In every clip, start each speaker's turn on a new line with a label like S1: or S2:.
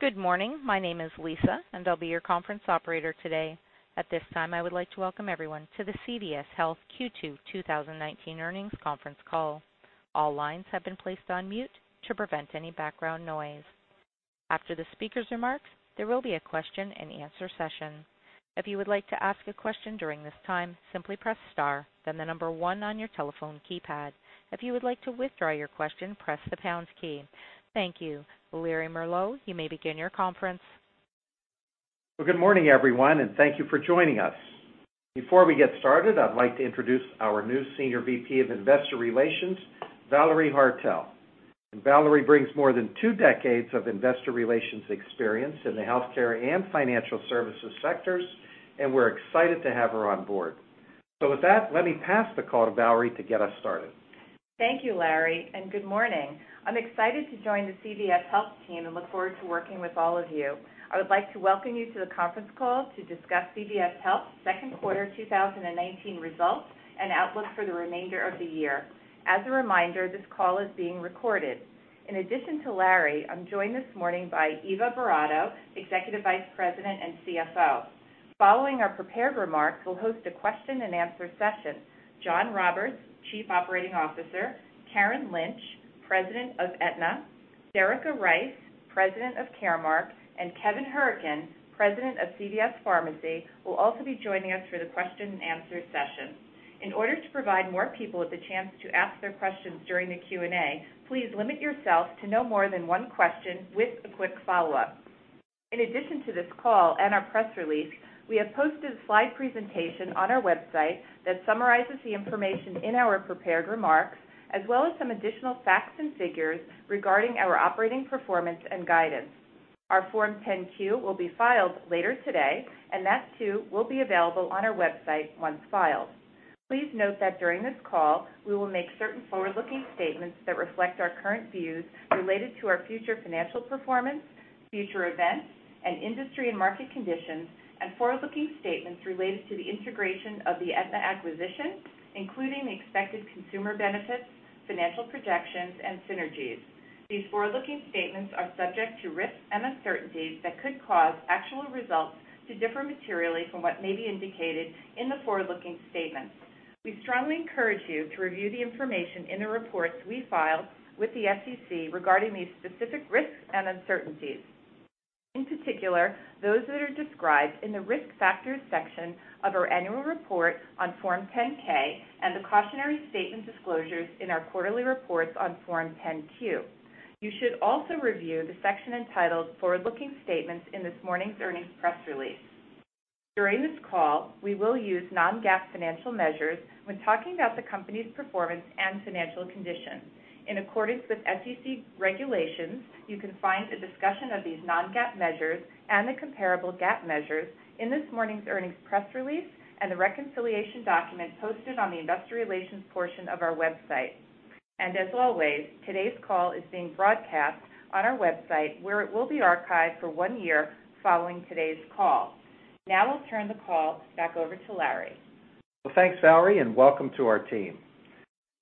S1: Good morning. My name is Lisa, and I'll be your conference operator today. At this time, I would like to welcome everyone to the CVS Health Q2 2019 earnings conference call. All lines have been placed on mute to prevent any background noise. After the speaker's remarks, there will be a question and answer session. If you would like to ask a question during this time, simply press star, then the number one on your telephone keypad. If you would like to withdraw your question, press the pounds key. Thank you. Larry Merlo, you may begin your conference.
S2: Well, good morning, everyone, and thank you for joining us. Before we get started, I'd like to introduce our new Senior VP of Investor Relations, Valerie Haertel. Valerie brings more than two decades of investor relations experience in the healthcare and financial services sectors, and we're excited to have her on board. With that, let me pass the call to Valerie to get us started.
S3: Thank you, Larry. Good morning. I'm excited to join the CVS Health team and look forward to working with all of you. I would like to welcome you to the conference call to discuss CVS Health's second quarter 2019 results and outlook for the remainder of the year. As a reminder, this call is being recorded. In addition to Larry, I'm joined this morning by Eva Boratto, Executive Vice President and CFO. Following our prepared remarks, we'll host a question and answer session. John Roberts, Chief Operating Officer, Karen Lynch, President of Aetna, Derica Rice, President of Caremark, and Kevin Hourican, President of CVS Pharmacy, will also be joining us for the question and answer session. In order to provide more people with the chance to ask their questions during the Q&A, please limit yourself to no more than one question with a quick follow-up. In addition to this call and our press release, we have posted a slide presentation on our website that summarizes the information in our prepared remarks, as well as some additional facts and figures regarding our operating performance and guidance. Our Form 10-Q will be filed later today, and that, too, will be available on our website once filed. Please note that during this call, we will make certain forward-looking statements that reflect our current views related to our future financial performance, future events, and industry and market conditions and forward-looking statements related to the integration of the Aetna acquisition, including expected consumer benefits, financial projections, and synergies. These forward-looking statements are subject to risks and uncertainties that could cause actual results to differ materially from what may be indicated in the forward-looking statements. We strongly encourage you to review the information in the reports we file with the SEC regarding these specific risks and uncertainties. In particular, those that are described in the Risk Factors section of our annual report on Form 10-K and the cautionary statement disclosures in our quarterly reports on Form 10-Q. You should also review the section entitled Forward-Looking Statements in this morning's earnings press release. During this call, we will use non-GAAP financial measures when talking about the company's performance and financial condition. In accordance with SEC regulations, you can find a discussion of these non-GAAP measures and the comparable GAAP measures in this morning's earnings press release and the reconciliation document posted on the investor relations portion of our website. As always, today's call is being broadcast on our website, where it will be archived for one year following today's call. Now I'll turn the call back over to Larry.
S2: Well, thanks, Valerie, and welcome to our team.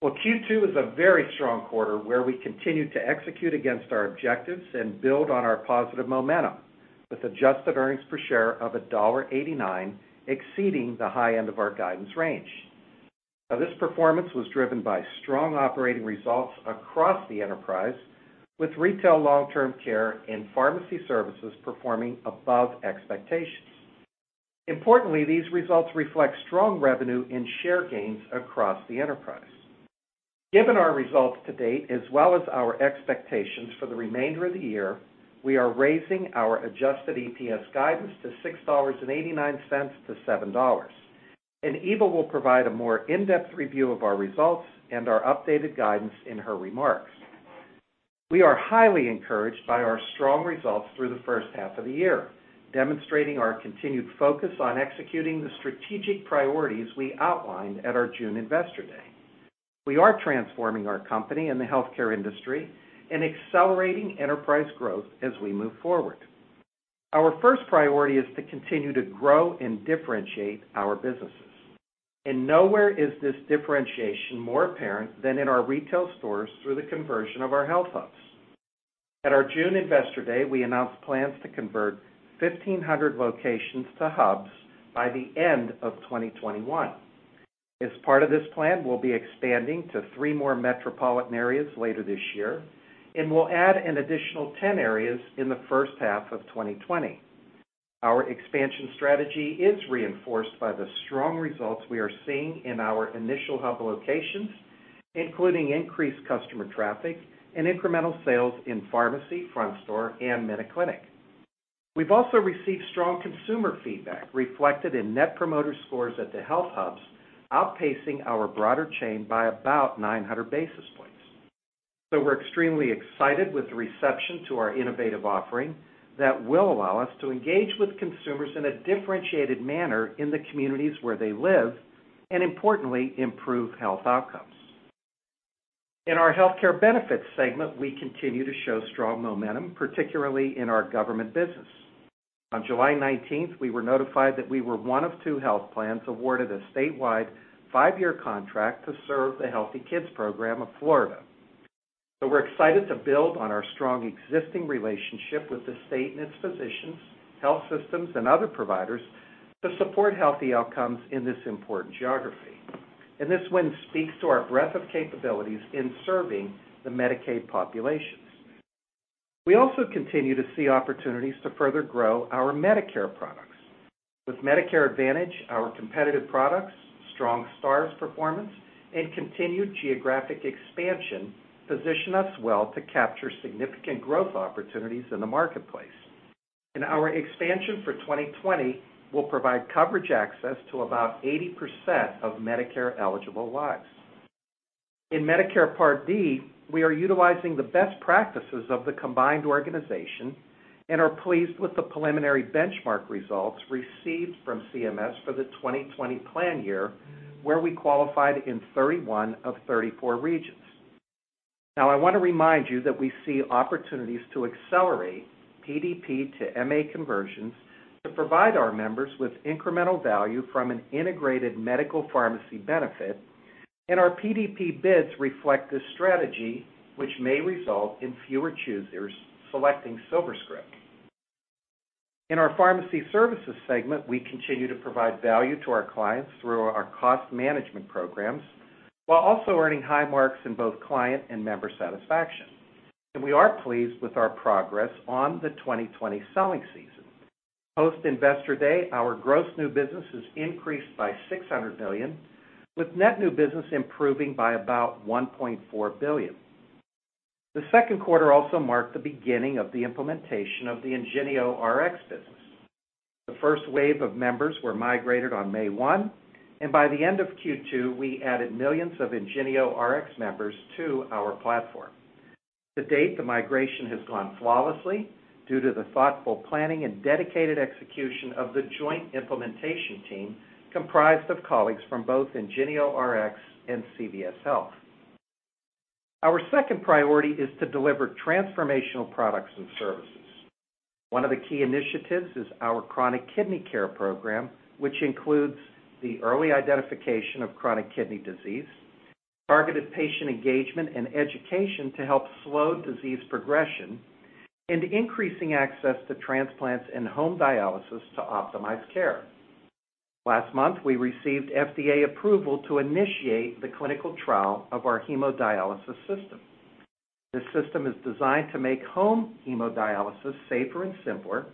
S2: Well, Q2 was a very strong quarter where we continued to execute against our objectives and build on our positive momentum, with adjusted earnings per share of $1.89, exceeding the high end of our guidance range. Now, this performance was driven by strong operating results across the enterprise, with retail, long-term care, and pharmacy services performing above expectations. Importantly, these results reflect strong revenue and share gains across the enterprise. Given our results to date, as well as our expectations for the remainder of the year, we are raising our adjusted EPS guidance to $6.89-$7. Eva will provide a more in-depth review of our results and our updated guidance in her remarks. We are highly encouraged by our strong results through the first half of the year, demonstrating our continued focus on executing the strategic priorities we outlined at our June Investor Day. We are transforming our company and the healthcare industry and accelerating enterprise growth as we move forward. Our first priority is to continue to grow and differentiate our businesses. Nowhere is this differentiation more apparent than in our retail stores through the conversion of our HealthHUBs. At our June Investor Day, we announced plans to convert 1,500 locations to HealthHUBs by the end of 2021. As part of this plan, we'll be expanding to three more metropolitan areas later this year, and we'll add an additional 10 areas in the first half of 2020. Our expansion strategy is reinforced by the strong results we are seeing in our initial HealthHUB locations, including increased customer traffic and incremental sales in pharmacy, front store, and MinuteClinic. We've also received strong consumer feedback, reflected in Net Promoter Scores at the HealthHUBs, outpacing our broader chain by about 900 basis points. We're extremely excited with the reception to our innovative offering that will allow us to engage with consumers in a differentiated manner in the communities where they live and, importantly, improve health outcomes. In our healthcare benefits segment, we continue to show strong momentum, particularly in our government business. On July 19th, we were notified that we were one of two health plans awarded a statewide five-year contract to serve the Florida Healthy Kids program. We're excited to build on our strong existing relationship with the state and its physicians, health systems, and other providers to support healthy outcomes in this important geography. This win speaks to our breadth of capabilities in serving the Medicaid populations. We also continue to see opportunities to further grow our Medicare products. With Medicare Advantage, our competitive products, strong stars performance, and continued geographic expansion position us well to capture significant growth opportunities in the marketplace. Our expansion for 2020 will provide coverage access to about 80% of Medicare-eligible lives. In Medicare Part D, we are utilizing the best practices of the combined organization and are pleased with the preliminary benchmark results received from CMS for the 2020 plan year, where we qualified in 31 of 34 regions. Now, I want to remind you that we see opportunities to accelerate PDP to MA conversions to provide our members with incremental value from an integrated medical pharmacy benefit, and our PDP bids reflect this strategy, which may result in fewer choosers selecting SilverScript. In our pharmacy services segment, we continue to provide value to our clients through our cost management programs, while also earning high marks in both client and member satisfaction. We are pleased with our progress on the 2020 selling season. Post Investor Day, our gross new business has increased by $600 million, with net new business improving by about $1.4 billion. The second quarter also marked the beginning of the implementation of the IngenioRx business. The first wave of members were migrated on May 1, and by the end of Q2, we added millions of IngenioRx members to our platform. To date, the migration has gone flawlessly due to the thoughtful planning and dedicated execution of the joint implementation team, comprised of colleagues from both IngenioRx and CVS Health. Our second priority is to deliver transformational products and services. One of the key initiatives is our chronic kidney care program, which includes the early identification of chronic kidney disease, targeted patient engagement and education to help slow disease progression, and increasing access to transplants and home dialysis to optimize care. Last month, we received FDA approval to initiate the clinical trial of our hemodialysis system. This system is designed to make home hemodialysis safer and simpler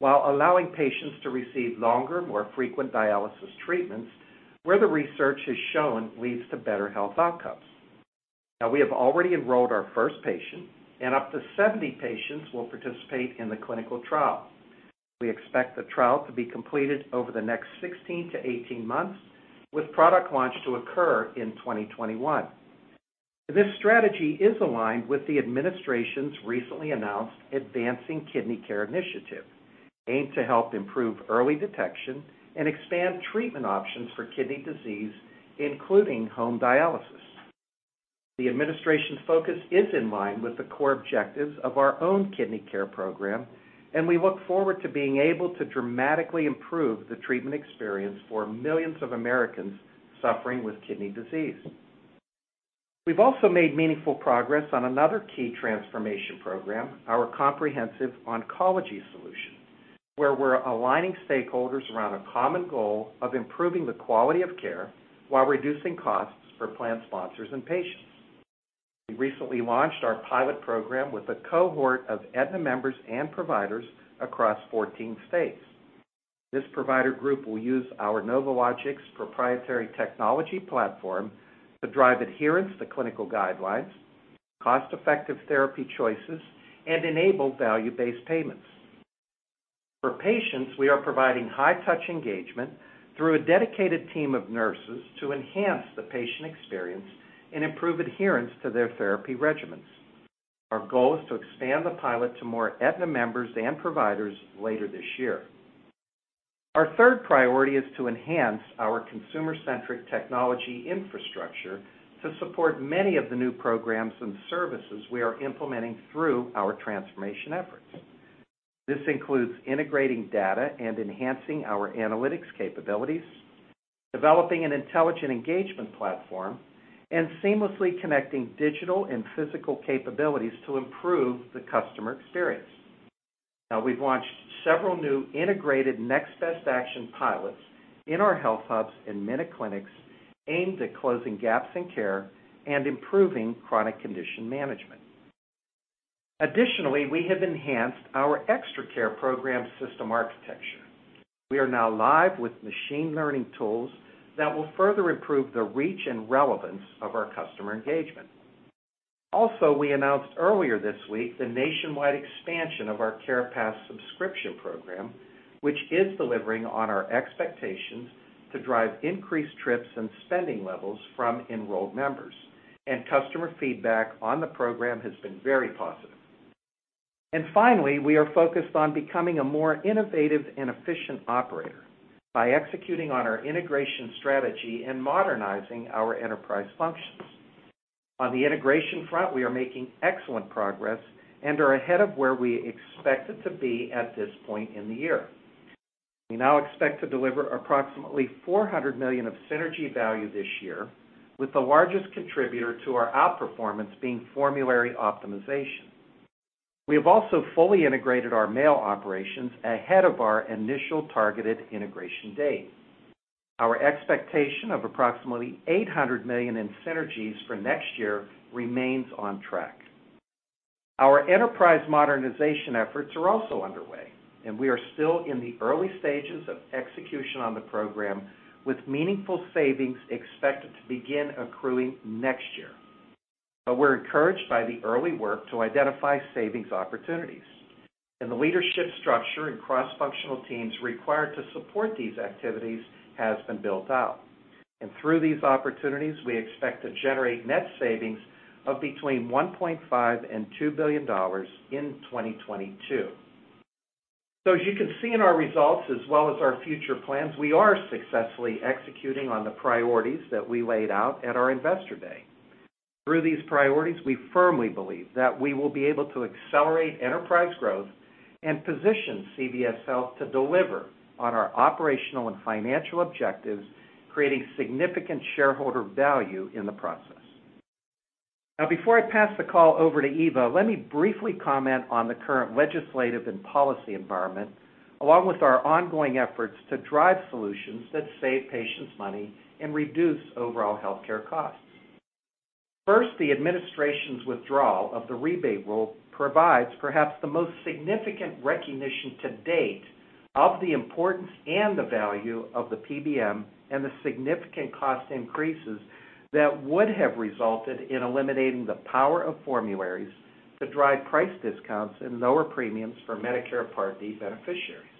S2: while allowing patients to receive longer, more frequent dialysis treatments, where the research has shown leads to better health outcomes. We have already enrolled our first patient, and up to 70 patients will participate in the clinical trial. We expect the trial to be completed over the next 16 to 18 months, with product launch to occur in 2021. This strategy is aligned with the administration's recently announced Advancing American Kidney Health initiative, aimed to help improve early detection and expand treatment options for kidney disease, including home dialysis. The administration's focus is in line with the core objectives of our own kidney care program, and we look forward to being able to dramatically improve the treatment experience for millions of Americans suffering with kidney disease. We've also made meaningful progress on another key transformation program, our comprehensive oncology solution, where we're aligning stakeholders around a common goal of improving the quality of care while reducing costs for plan sponsors and patients. We recently launched our pilot program with a cohort of Aetna members and providers across 14 states. This provider group will use our Novologix proprietary technology platform to drive adherence to clinical guidelines, cost-effective therapy choices, and enable value-based payments. For patients, we are providing high-touch engagement through a dedicated team of nurses to enhance the patient experience and improve adherence to their therapy regimens. Our goal is to expand the pilot to more Aetna members and providers later this year. Our third priority is to enhance our consumer-centric technology infrastructure to support many of the new programs and services we are implementing through our transformation efforts. This includes integrating data and enhancing our analytics capabilities, developing an intelligent engagement platform, and seamlessly connecting digital and physical capabilities to improve the customer experience. Now we've launched several new integrated next-best-action pilots in our HealthHUBs and MinuteClinic aimed at closing gaps in care and improving chronic condition management. Additionally, we have enhanced our ExtraCare program system architecture. We are now live with machine learning tools that will further improve the reach and relevance of our customer engagement. Also, we announced earlier this week the nationwide expansion of our CarePass subscription program, which is delivering on our expectations to drive increased trips and spending levels from enrolled members, and customer feedback on the program has been very positive. Finally, we are focused on becoming a more innovative and efficient operator by executing on our integration strategy and modernizing our enterprise functions. On the integration front, we are making excellent progress and are ahead of where we expected to be at this point in the year. We now expect to deliver approximately $400 million of synergy value this year, with the largest contributor to our outperformance being formulary optimization. We have also fully integrated our mail operations ahead of our initial targeted integration date. Our expectation of approximately $800 million in synergies for next year remains on track. Our enterprise modernization efforts are also underway, and we are still in the early stages of execution on the program, with meaningful savings expected to begin accruing next year. We're encouraged by the early work to identify savings opportunities. The leadership structure and cross-functional teams required to support these activities has been built out. Through these opportunities, we expect to generate net savings of between $1.5 billion and $2 billion in 2022. As you can see in our results as well as our future plans, we are successfully executing on the priorities that we laid out at our investor day. Through these priorities, we firmly believe that we will be able to accelerate enterprise growth and position CVS Health to deliver on our operational and financial objectives, creating significant shareholder value in the process. Now, before I pass the call over to Eva, let me briefly comment on the current legislative and policy environment, along with our ongoing efforts to drive solutions that save patients money and reduce overall healthcare costs. First, the administration's withdrawal of the rebate rule provides perhaps the most significant recognition to date of the importance and the value of the PBM and the significant cost increases that would have resulted in eliminating the power of formularies to drive price discounts and lower premiums for Medicare Part D beneficiaries.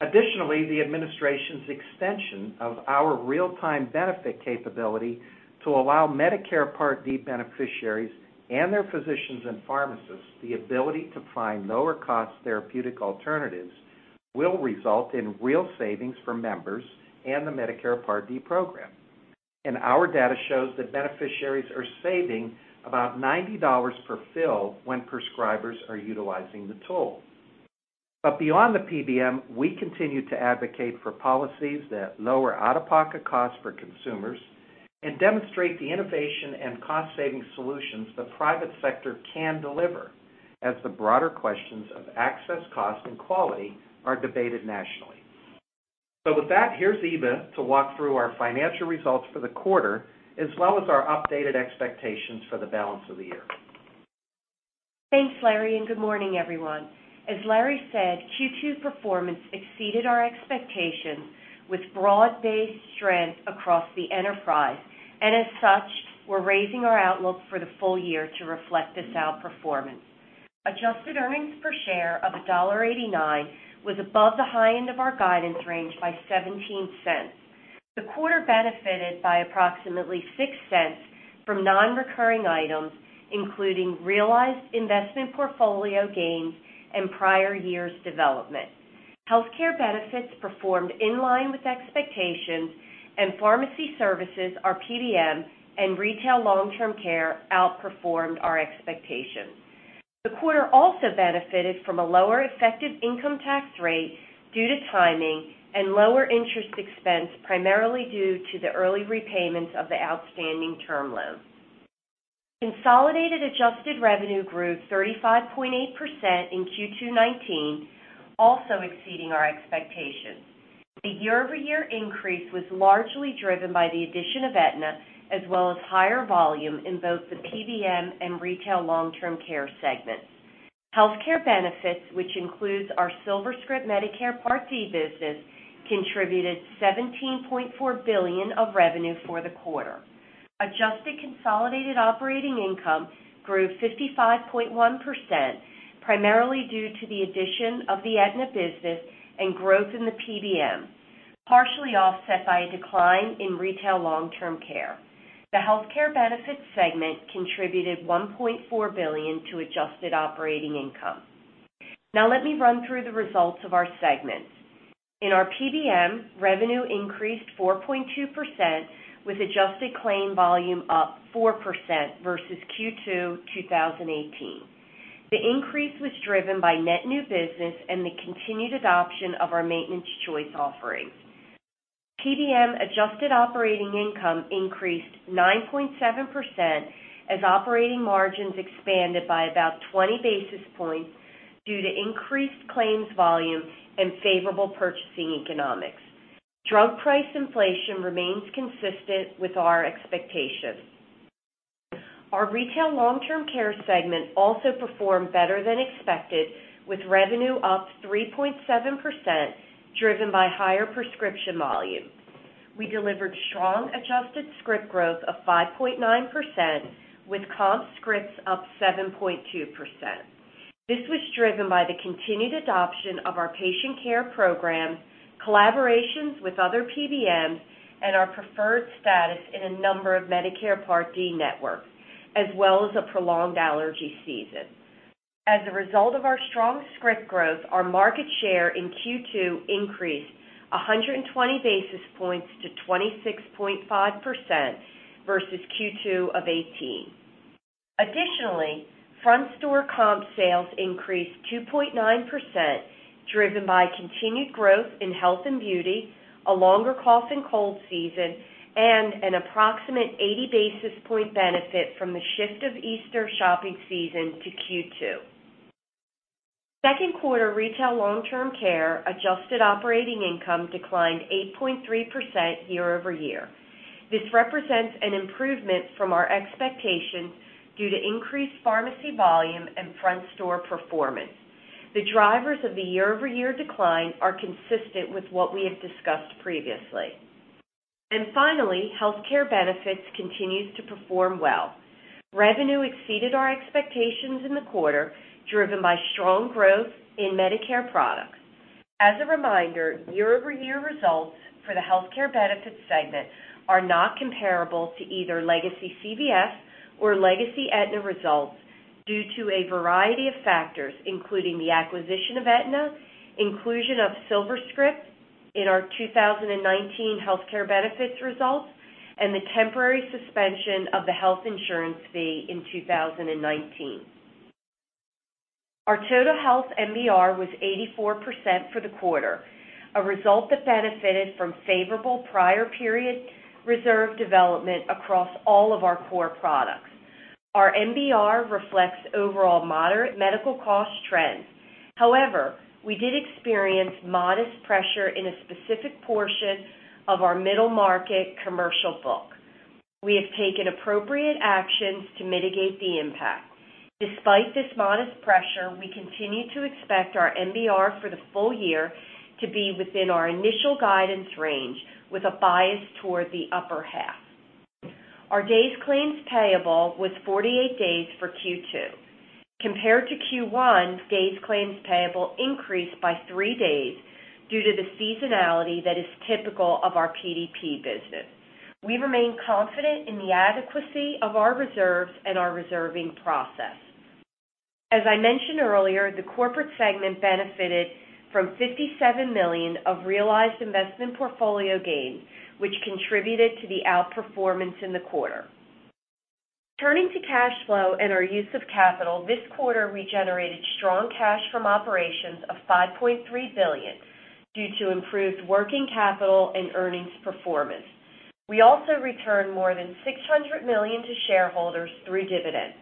S2: Additionally, the administration's extension of our real-time benefit capability to allow Medicare Part D beneficiaries and their physicians and pharmacists the ability to find lower-cost therapeutic alternatives will result in real savings for members and the Medicare Part D program. Our data shows that beneficiaries are saving about $90 per fill when prescribers are utilizing the tool. Beyond the PBM, we continue to advocate for policies that lower out-of-pocket costs for consumers and demonstrate the innovation and cost-saving solutions the private sector can deliver, as the broader questions of access, cost, and quality are debated nationally. With that, here's Eva to walk through our financial results for the quarter, as well as our updated expectations for the balance of the year.
S4: Thanks, Larry. Good morning, everyone. As Larry said, Q2 performance exceeded our expectations with broad-based strength across the enterprise. As such, we're raising our outlook for the full year to reflect this outperformance. Adjusted earnings per share of $1.89 was above the high end of our guidance range by $0.17. The quarter benefited by approximately $0.06 from non-recurring items, including realized investment portfolio gains and prior year's development. Healthcare benefits performed in line with expectations, and Pharmacy services, our PBM, and retail long-term care outperformed our expectations. The quarter also benefited from a lower effective income tax rate due to timing and lower interest expense, primarily due to the early repayments of the outstanding term loan. Consolidated adjusted revenue grew 35.8% in Q2-19, also exceeding our expectations. The year-over-year increase was largely driven by the addition of Aetna, as well as higher volume in both the PBM and retail long-term care segments. Healthcare benefits, which includes our SilverScript Medicare Part D business, contributed $17.4 billion of revenue for the quarter. Adjusted consolidated operating income grew 55.1%, primarily due to the addition of the Aetna business and growth in the PBM, partially offset by a decline in retail long-term care. The healthcare benefits segment contributed $1.4 billion to adjusted operating income. Now let me run through the results of our segments. In our PBM, revenue increased 4.2%, with adjusted claim volume up 4% versus Q2 2018. The increase was driven by net new business and the continued adoption of our Maintenance Choice offerings. PBM adjusted operating income increased 9.7% as operating margins expanded by about 20 basis points due to increased claims volume and favorable purchasing economics. Drug price inflation remains consistent with our expectations. Our retail long-term care segment also performed better than expected, with revenue up 3.7%, driven by higher prescription volume. We delivered strong adjusted script growth of 5.9%, with comp scripts up 7.2%. This was driven by the continued adoption of our patient care program, collaborations with other PBMs, and our preferred status in a number of Medicare Part D networks, as well as a prolonged allergy season. As a result of our strong script growth, our market share in Q2 increased 120 basis points to 26.5% versus Q2 of '18. Additionally, front store comp sales increased 2.9%, driven by continued growth in health and beauty, a longer cough and cold season, and an approximate 80 basis point benefit from the shift of Easter shopping season to Q2. Second quarter retail long-term care adjusted operating income declined 8.3% year-over-year. This represents an improvement from our expectations due to increased pharmacy volume and front store performance. The drivers of the year-over-year decline are consistent with what we have discussed previously. Finally, healthcare benefits continues to perform well. Revenue exceeded our expectations in the quarter, driven by strong growth in Medicare products. As a reminder, year-over-year results for the healthcare benefits segment are not comparable to either legacy CVS or legacy Aetna results due to a variety of factors, including the acquisition of Aetna, inclusion of SilverScript in our 2019 healthcare benefits results, and the temporary suspension of the Health Insurance Fee in 2019. Our total health MBR was 84% for the quarter, a result that benefited from favorable prior period reserve development across all of our core products. Our MBR reflects overall moderate medical cost trends. However, we did experience modest pressure in a specific portion of our middle-market commercial book. We have taken appropriate actions to mitigate the impact. Despite this modest pressure, we continue to expect our MBR for the full year to be within our initial guidance range with a bias toward the upper half. Our days claims payable was 48 days for Q2. Compared to Q1, days claims payable increased by three days due to the seasonality that is typical of our PDP business. We remain confident in the adequacy of our reserves and our reserving process. As I mentioned earlier, the corporate segment benefited from $57 million of realized investment portfolio gains, which contributed to the outperformance in the quarter. Turning to cash flow and our use of capital, this quarter we generated strong cash from operations of $5.3 billion due to improved working capital and earnings performance. We also returned more than $600 million to shareholders through dividends.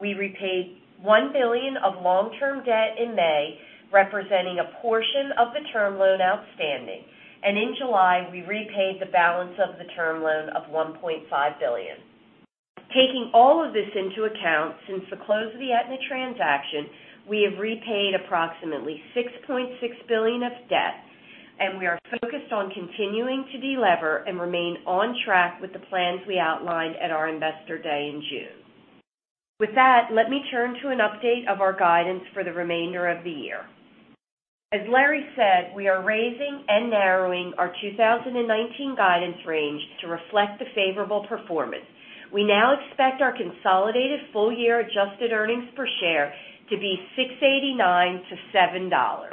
S4: We repaid $1 billion of long-term debt in May, representing a portion of the term loan outstanding. In July, we repaid the balance of the term loan of $1.5 billion. Taking all of this into account, since the close of the Aetna transaction, we have repaid approximately $6.6 billion of debt, and we are focused on continuing to de-lever and remain on track with the plans we outlined at our investor day in June. With that, let me turn to an update of our guidance for the remainder of the year. As Larry said, we are raising and narrowing our 2019 guidance range to reflect the favorable performance. We now expect our consolidated full-year adjusted earnings per share to be $6.89-$7.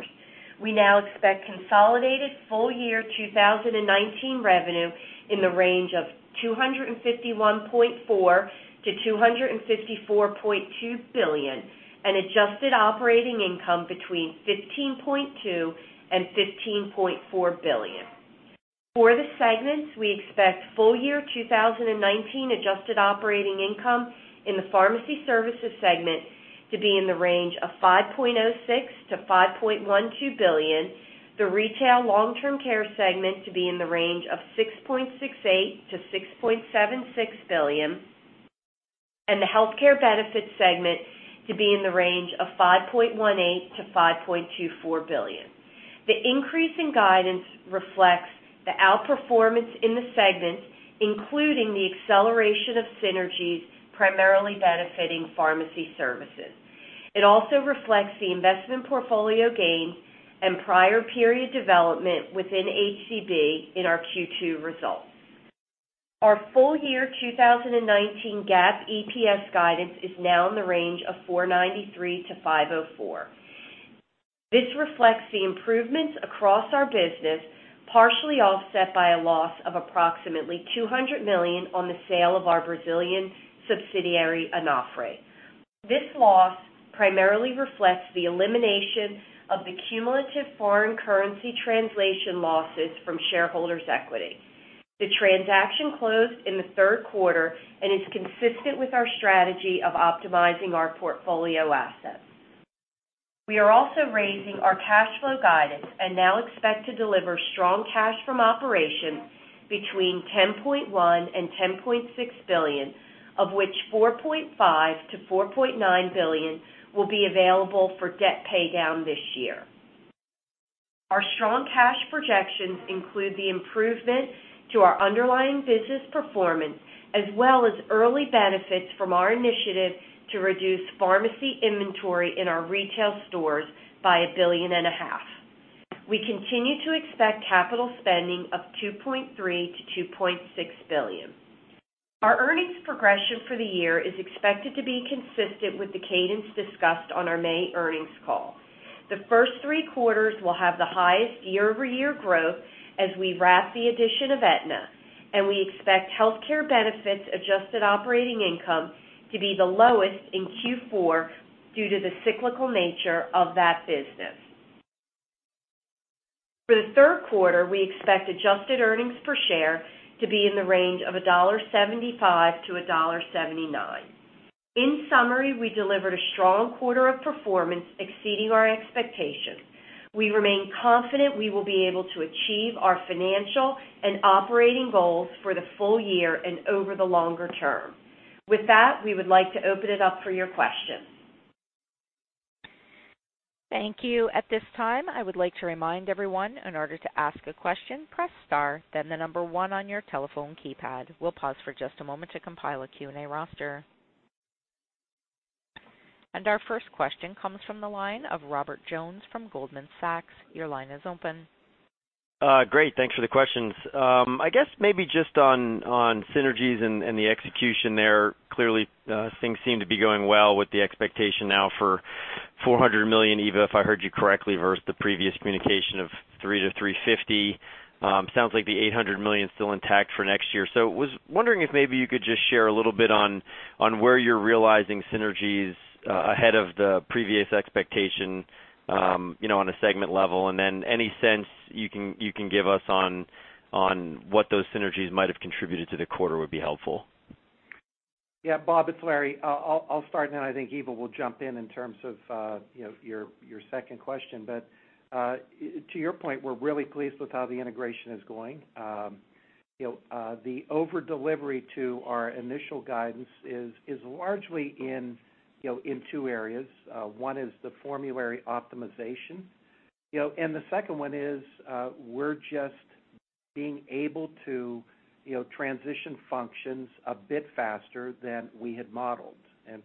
S4: We now expect consolidated full-year 2019 revenue in the range of $251.4 billion-$254.2 billion, an adjusted operating income between $15.2 billion and $15.4 billion. For the segments, we expect full-year 2019 adjusted operating income in the Pharmacy Services segment to be in the range of $5.06 billion-$5.12 billion, the Retail/Long-Term Care segment to be in the range of $6.68 billion-$6.76 billion, and the Health Care Benefits segment to be in the range of $5.18 billion-$5.24 billion. The increase in guidance reflects the outperformance in the segments, including the acceleration of synergies primarily benefiting pharmacy services. It also reflects the investment portfolio gain and prior period development within HCB in our Q2 results. Our full-year 2019 GAAP EPS guidance is now in the range of $4.93-$5.04. This reflects the improvements across our business, partially offset by a loss of approximately $200 million on the sale of our Brazilian subsidiary, Onofre. This loss primarily reflects the elimination of the cumulative foreign currency translation losses from shareholders' equity. The transaction closed in the third quarter and is consistent with our strategy of optimizing our portfolio assets. We are also raising our cash flow guidance and now expect to deliver strong cash from operations between $10.1 billion and $10.6 billion, of which $4.5 billion to $4.9 billion will be available for debt paydown this year. Our strong cash projections include the improvement to our underlying business performance, as well as early benefits from our initiative to reduce pharmacy inventory in our retail stores by a billion and a half. We continue to expect capital spending of $2.3 billion-$2.6 billion. Our earnings progression for the year is expected to be consistent with the cadence discussed on our May earnings call. The first three quarters will have the highest year-over-year growth as we wrap the addition of Aetna, and we expect healthcare benefits adjusted operating income to be the lowest in Q4 due to the cyclical nature of that business. For the third quarter, we expect adjusted earnings per share to be in the range of $1.75-$1.79. In summary, we delivered a strong quarter of performance exceeding our expectations. We remain confident we will be able to achieve our financial and operating goals for the full year and over the longer term. With that, we would like to open it up for your questions.
S1: Thank you. At this time, I would like to remind everyone, in order to ask a question, press star, then the number 1 on your telephone keypad. We'll pause for just a moment to compile a Q&A roster. Our first question comes from the line of Robert Jones from Goldman Sachs. Your line is open.
S5: Great. Thanks for the questions. I guess maybe just on synergies and the execution there, clearly, things seem to be going well with the expectation now for $400 million, Eva, if I heard you correctly, versus the previous communication of $300 million-$350 million. Sounds like the $800 million's still intact for next year. Was wondering if maybe you could just share a little on where you're realizing synergies, ahead of the previous expectation, on a segment level, and then any sense you can give us on what those synergies might have contributed to the quarter would be helpful.
S2: Yeah, Bob, it's Larry. I'll start, then I think Eva will jump in terms of your second question. To your point, we're really pleased with how the integration is going. The over-delivery to our initial guidance is largely in two areas. One is the formulary optimization. The second one is, we're just being able to transition functions a bit faster than we had modeled.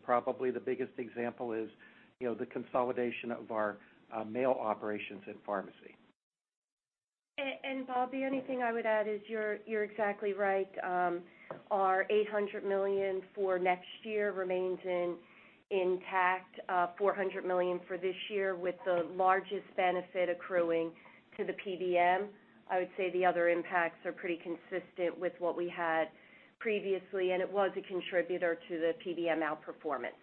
S2: Probably the biggest example is the consolidation of our mail operations and CVS Pharmacy.
S4: Bob, the only thing I would add is you're exactly right. Our $800 million for next year remains intact. Our $400 million for this year, with the largest benefit accruing to the PBM. I would say the other impacts are pretty consistent with what we had previously, and it was a contributor to the PBM outperformance.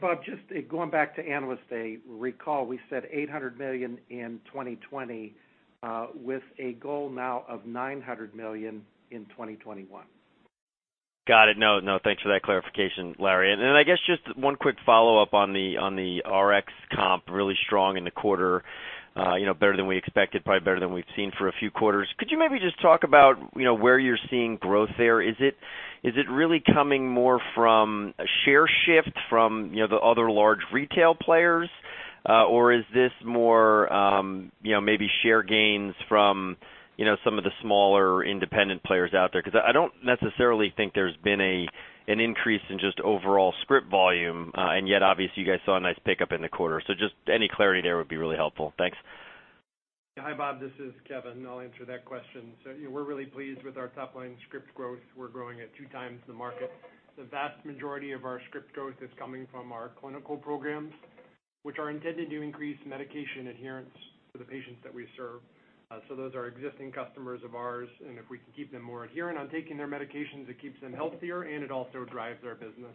S2: Bob, just going back to Analyst Day, recall we said $800 million in 2020, with a goal now of $900 million in 2021.
S5: Got it. No, thanks for that clarification, Larry. Then I guess just one quick follow-up on the Rx comp, really strong in the quarter, better than we expected, probably better than we've seen for a few quarters. Could you maybe just talk about where you're seeing growth there? Is it really coming more from a share shift from the other large retail players? Or is this more maybe share gains from some of the smaller independent players out there? I don't necessarily think there's been an increase in just overall script volume, and yet obviously you guys saw a nice pickup in the quarter. Just any clarity there would be really helpful. Thanks.
S6: Hi, Bob. This is Kevin. I'll answer that question. Yeah, we're really pleased with our top-line script growth. We're growing at two times the market. The vast majority of our script growth is coming from our clinical programs, which are intended to increase medication adherence for the patients that we serve. Those are existing customers of ours, and if we can keep them more adherent on taking their medications, it keeps them healthier, and it also drives our business.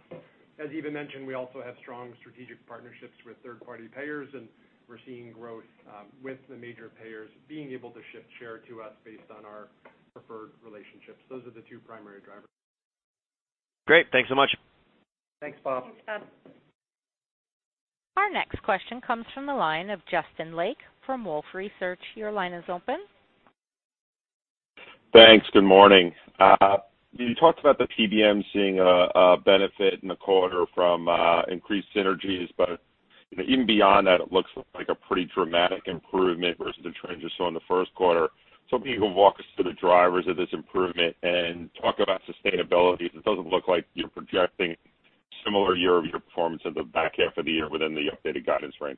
S6: As Eva mentioned, we also have strong strategic partnerships with third-party payers, and we're seeing growth with the major payers being able to shift share to us based on our preferred relationships. Those are the two primary drivers.
S5: Great. Thanks so much.
S2: Thanks, Bob.
S4: Thanks, Bob.
S1: Our next question comes from the line of Justin Lake from Wolfe Research. Your line is open.
S7: Thanks. Good morning. You talked about the PBM seeing a benefit in the quarter from increased synergies. Even beyond that, it looks like a pretty dramatic improvement versus the trend you saw in the first quarter. Maybe you can walk us through the drivers of this improvement and talk about sustainability, because it doesn't look like you're projecting similar year-over-year performance of the back half of the year within the updated guidance range.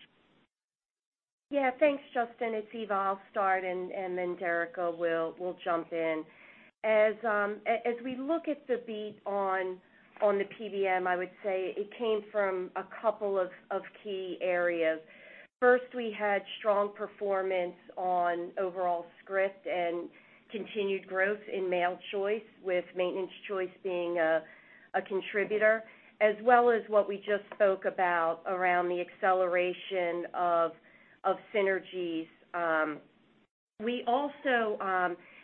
S4: Thanks, Justin. It's Eva. I'll start, and then Derica will jump in. As we look at the beat on the PBM, I would say it came from a couple of key areas. First, we had strong performance on overall script and continued growth in Maintenance Choice, with Maintenance Choice being a contributor, as well as what we just spoke about around the acceleration of synergies. We also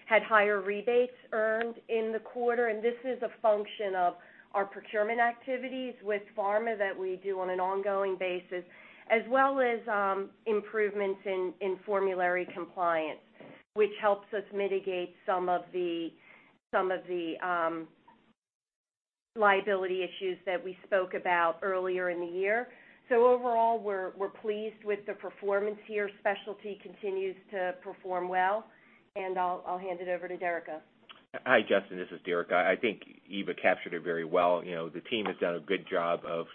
S4: had higher rebates earned in the quarter. This is a function of our procurement activities with pharma that we do on an ongoing basis, as well as improvements in formulary compliance, which helps us mitigate some of the liability issues that we spoke about earlier in the year. Overall, we're pleased with the performance here. Specialty continues to perform well. I'll hand it over to Derica.
S8: Hi, Justin, this is Derica. I think Eva captured it very well. The team has done a good job of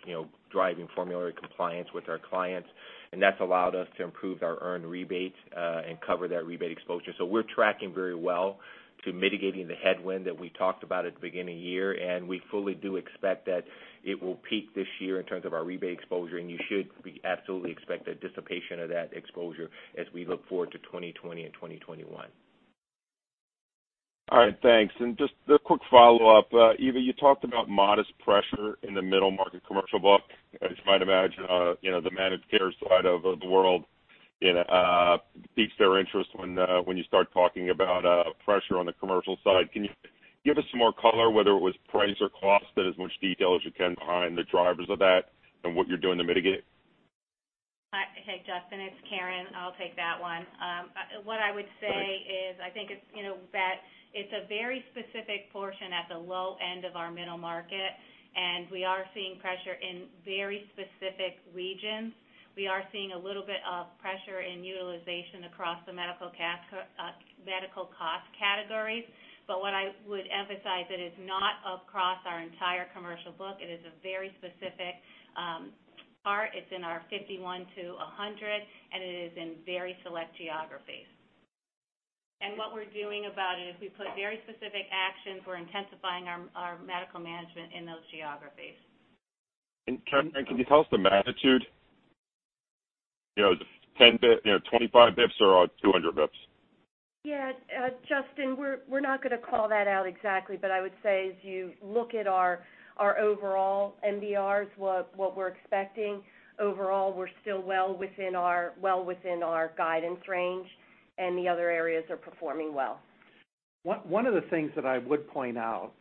S8: driving formulary compliance with our clients, and that's allowed us to improve our earned rebates and cover that rebate exposure. We're tracking very well to mitigating the headwind that we talked about at the beginning of the year, and we fully do expect that it will peak this year in terms of our rebate exposure, and you should absolutely expect a dissipation of that exposure as we look forward to 2020 and 2021.
S7: All right, thanks. Just a quick follow-up. Eva, you talked about modest pressure in the middle market commercial book. As you might imagine, the managed care side of the world peaks their interest when you start talking about pressure on the commercial side. Can you give us some more color, whether it was price or cost, in as much detail as you can behind the drivers of that and what you're doing to mitigate?
S9: Hi. Hey, Justin, it's Karen. I'll take that one.
S7: Great.
S9: What I would say is, I think that it's a very specific portion at the low end of our middle market, and we are seeing pressure in very specific regions. We are seeing a little bit of pressure in utilization across the medical cost categories. What I would emphasize, it is not across our entire commercial book. It is a very specific part. It's in our 51 to 100, and it is in very select geographies. What we're doing about it is we put very specific actions. We're intensifying our medical management in those geographies.
S7: Karen, can you tell us the magnitude? Is it 25 basis points or 200 basis points?
S9: Yeah. Justin, we're not going to call that out exactly. I would say as you look at our overall MBR, what we're expecting, overall, we're still well within our guidance range, and the other areas are performing well.
S2: One of the things that I would point out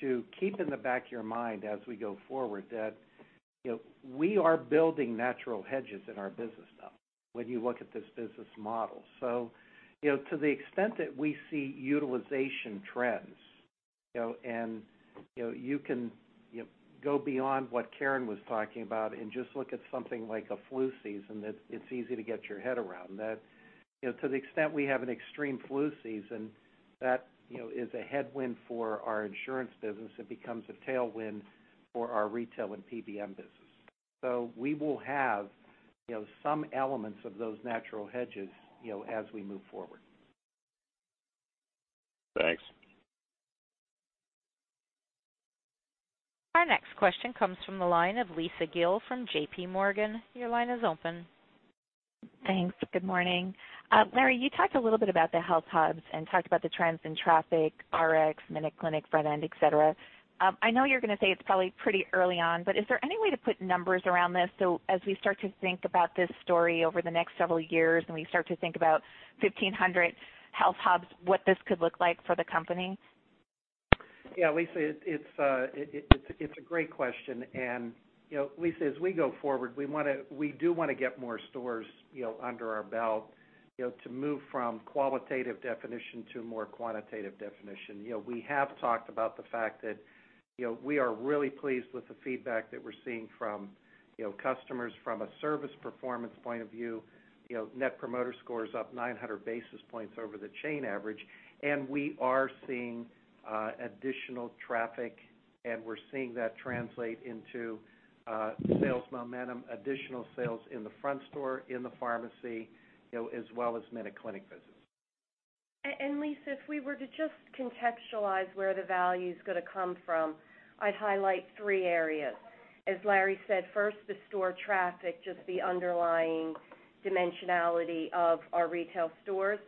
S2: to keep in the back of your mind as we go forward, that we are building natural hedges in our business now, when you look at this business model. To the extent that we see utilization trends, and you can go beyond what Karen was talking about and just look at something like a flu season, that it's easy to get your head around, that to the extent we have an extreme flu season, that is a headwind for our insurance business. It becomes a tailwind for our retail and PBM business. We will have some elements of those natural hedges as we move forward.
S7: Thanks.
S1: Our next question comes from the line of Lisa Gill from JPMorgan. Your line is open.
S10: Thanks. Good morning. Larry, you talked a little bit about the HealthHUBs and talked about the trends in traffic, RX, MinuteClinic, front end, et cetera. I know you're going to say it's probably pretty early on, is there any way to put numbers around this? As we start to think about this story over the next several years, and we start to think about 1,500 HealthHUBs, what this could look like for the company?
S2: Yeah, Lisa, it's a great question. Lisa, as we go forward, we do want to get more stores under our belt to move from qualitative definition to more quantitative definition. We have talked about the fact that we are really pleased with the feedback that we're seeing from customers from a service performance point of view. Net Promoter Score is up 900 basis points over the chain average, and we are seeing additional traffic, and we're seeing that translate into sales momentum, additional sales in the front store, in the pharmacy, as well as MinuteClinic visits.
S9: Lisa, if we were to just contextualize where the value's going to come from, I'd highlight three areas. As Larry said, first, the store traffic, just the underlying dimensionality of our retail stores.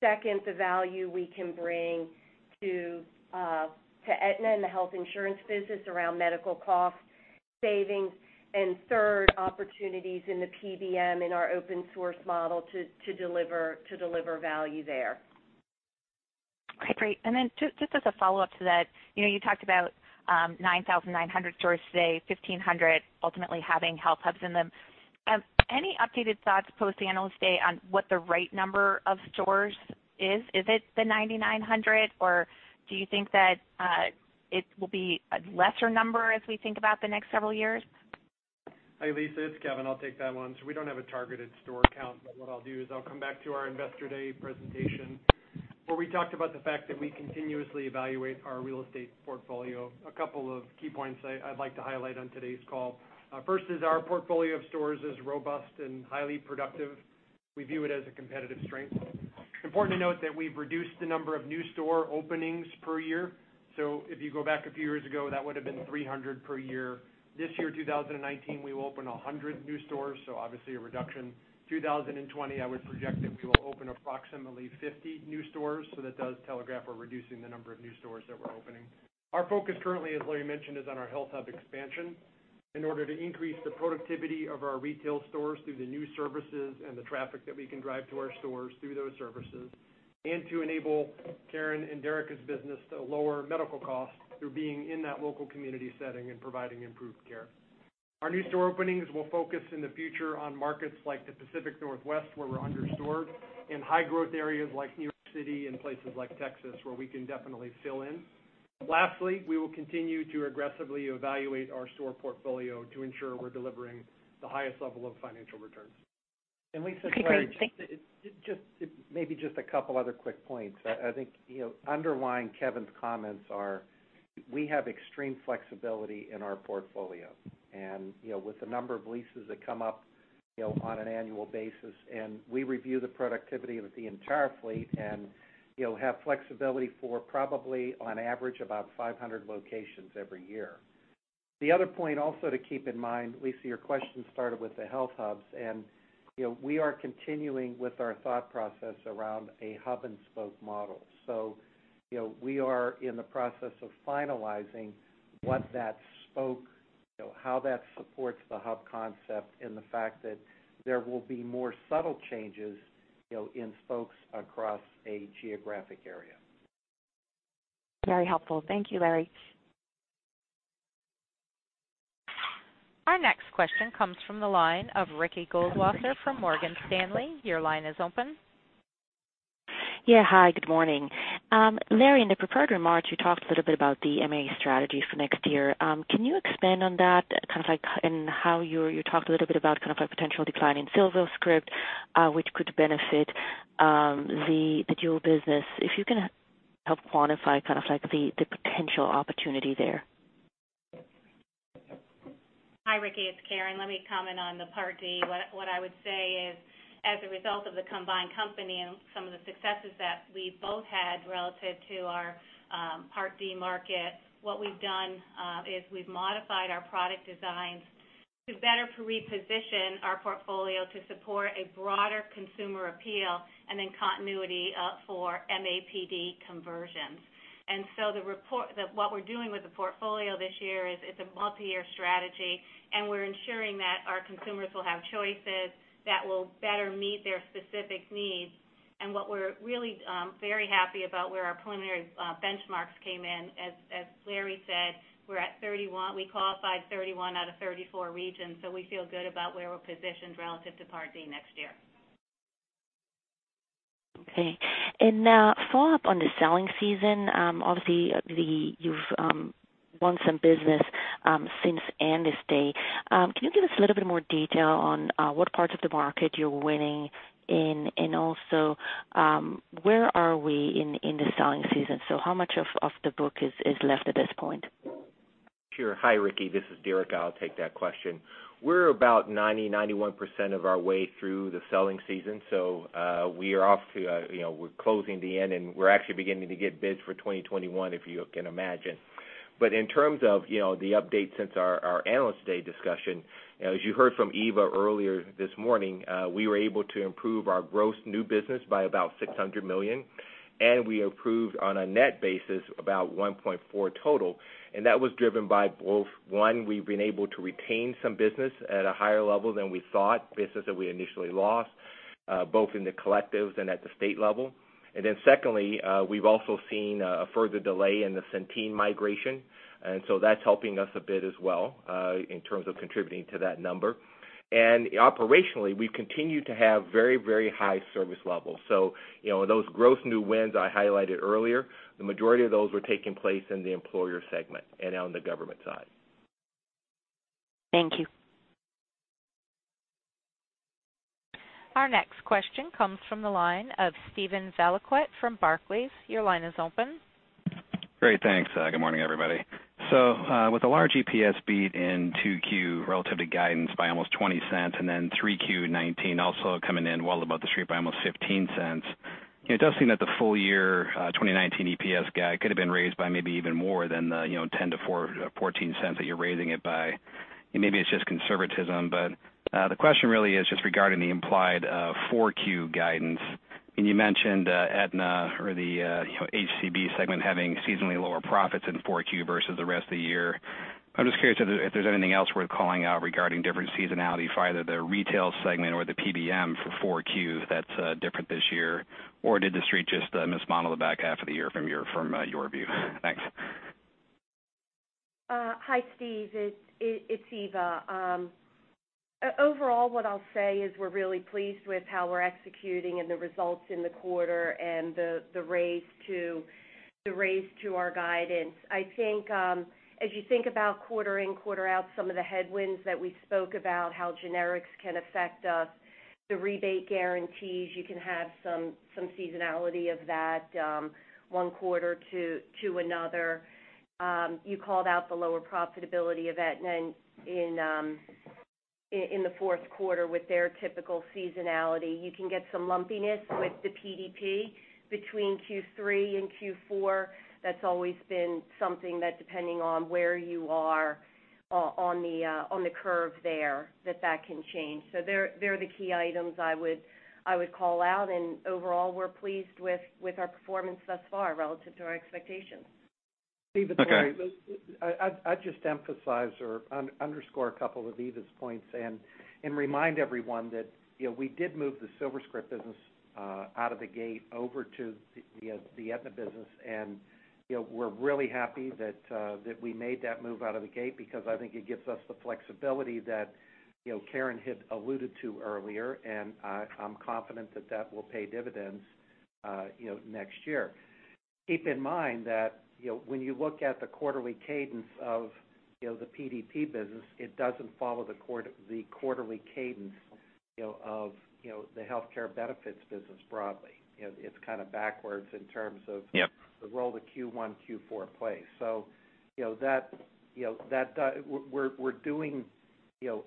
S9: Second, the value we can bring to Aetna and the health insurance business around medical cost savings. Third, opportunities in the PBM in our open source model to deliver value there.
S10: Okay, great. Just as a follow-up to that, you talked about 9,900 stores today, 1,500 ultimately having HealthHUBs in them. Any updated thoughts post the Analyst Day on what the right number of stores is? Is it the 9,900, or do you think that it will be a lesser number as we think about the next several years?
S6: Hi, Lisa. It's Kevin. I'll take that one. We don't have a targeted store count, but what I'll do is I'll come back to our Investor Day presentation where we talked about the fact that we continuously evaluate our real estate portfolio. A couple of key points I'd like to highlight on today's call. First is our portfolio of stores is robust and highly productive. We view it as a competitive strength. Important to note that we've reduced the number of new store openings per year. If you go back a few years ago, that would've been 300 per year. This year, 2019, we will open 100 new stores, obviously a reduction. 2020, I would project that we will open approximately 50 new stores, that does telegraph we're reducing the number of new stores that we're opening. Our focus currently, as Larry Merlo mentioned, is on our HealthHUB expansion in order to increase the productivity of our retail stores through the new services and the traffic that we can drive to our stores through those services, and to enable Karen Lynch and Derica Rice's business to lower medical costs through being in that local community setting and providing improved care. Our new store openings will focus in the future on markets like the Pacific Northwest, where we're under-stored, in high-growth areas like New York City and places like Texas, where we can definitely fill in. Lastly, we will continue to aggressively evaluate our store portfolio to ensure we're delivering the highest level of financial returns.
S2: Lisa, sorry, maybe just a couple other quick points. I think underlying Kevin's comments are, we have extreme flexibility in our portfolio, with the number of leases that come up on an annual basis, we review the productivity of the entire fleet and have flexibility for probably on average about 500 locations every year. The other point also to keep in mind, Lisa, your question started with the HealthHUBs, we are continuing with our thought process around a hub and spoke model. We are in the process of finalizing what that spoke, how that supports the hub concept, the fact that there will be more subtle changes in spokes across a geographic area.
S10: Very helpful. Thank you, Larry.
S1: Our next question comes from the line of Ricky Goldwasser from Morgan Stanley. Your line is open.
S11: Hi, good morning. Larry, in the prepared remarks, you talked a little bit about the MA strategy for next year. Can you expand on that? You talked a little bit about a potential decline in SilverScript, which could benefit the dual business. If you can help quantify the potential opportunity there.
S9: Hi, Ricky. It's Karen. Let me comment on the Medicare Part D. What I would say is, as a result of the combined company and some of the successes that we both had relative to our Medicare Part D market, what we've done is we've modified our product designs to better reposition our portfolio to support a broader consumer appeal and then continuity for MAPD conversions. What we're doing with the portfolio this year is, it's a multi-year strategy, and we're ensuring that our consumers will have choices that will better meet their specific needs. What we're really very happy about where our preliminary benchmarks came in, as Larry said, we qualified 31 out of 34 regions. We feel good about where we're positioned relative to Medicare Part D next year.
S11: Okay. Follow-up on the selling season, obviously, you've won some business since Analyst Day. Can you give us a little bit more detail on what parts of the market you're winning in? Also, where are we in the selling season? How much of the book is left at this point?
S8: Sure. Hi, Ricky. This is Derica. I'll take that question. We're about 90%, 91% of our way through the selling season. We're closing to the end, and we're actually beginning to get bids for 2021, if you can imagine. In terms of the update since our Analyst Day discussion, as you heard from Eva earlier this morning, we were able to improve our gross new business by about $600 million, and we improved on a net basis about $1.4 total, and that was driven by both, one, we've been able to retain some business at a higher level than we thought, business that we initially lost, both in the collectives and at the state level. Secondly, we've also seen a further delay in the Centene migration, and so that's helping us a bit as well, in terms of contributing to that number. Operationally, we've continued to have very high service levels. Those gross new wins I highlighted earlier, the majority of those were taking place in the employer segment and on the government side.
S11: Thank you.
S1: Our next question comes from the line of Steven Valiquette from Barclays. Your line is open.
S12: Great. Thanks. Good morning, everybody. With a large EPS beat in 2Q relative to guidance by almost $0.20, and then 3Q19 also coming in well above the Street by almost $0.15, it does seem that the full year 2019 EPS guide could have been raised by maybe even more than the $0.10-$0.14 that you're raising it by. Maybe it's just conservatism, but the question really is just regarding the implied 4Q guidance. You mentioned Aetna or the HCB segment having seasonally lower profits in 4Q versus the rest of the year. I'm just curious if there's anything else worth calling out regarding different seasonality for either the retail segment or the PBM for 4Q that's different this year. Did the Street just mismodel the back half of the year from your view? Thanks.
S4: Hi, Steve. It's Eva. Overall, what I'll say is we're really pleased with how we're executing and the results in the quarter and the raise to our guidance. I think, as you think about quarter in, quarter out, some of the headwinds that we spoke about, how generics can affect us, the rebate guarantees, you can have some seasonality of that, one quarter to another. You called out the lower profitability of Aetna in the fourth quarter with their typical seasonality. You can get some lumpiness with the PDP between Q3 and Q4. That's always been something that, depending on where you are on the curve there, that can change. They're the key items I would call out, and overall, we're pleased with our performance thus far relative to our expectations.
S12: Okay.
S2: Eva, it's Larry. I'd just emphasize or underscore a couple of Eva's points and remind everyone that we did move the SilverScript business out of the gate over to the Aetna business. We're really happy that we made that move out of the gate because I think it gives us the flexibility that Karen had alluded to earlier, I'm confident that that will pay dividends next year. Keep in mind that when you look at the quarterly cadence of the PDP business, it doesn't follow the quarterly cadence of the healthcare benefits business broadly. It's kind of backwards in terms of-
S12: Yep
S2: The role that Q1, Q4 plays. We're doing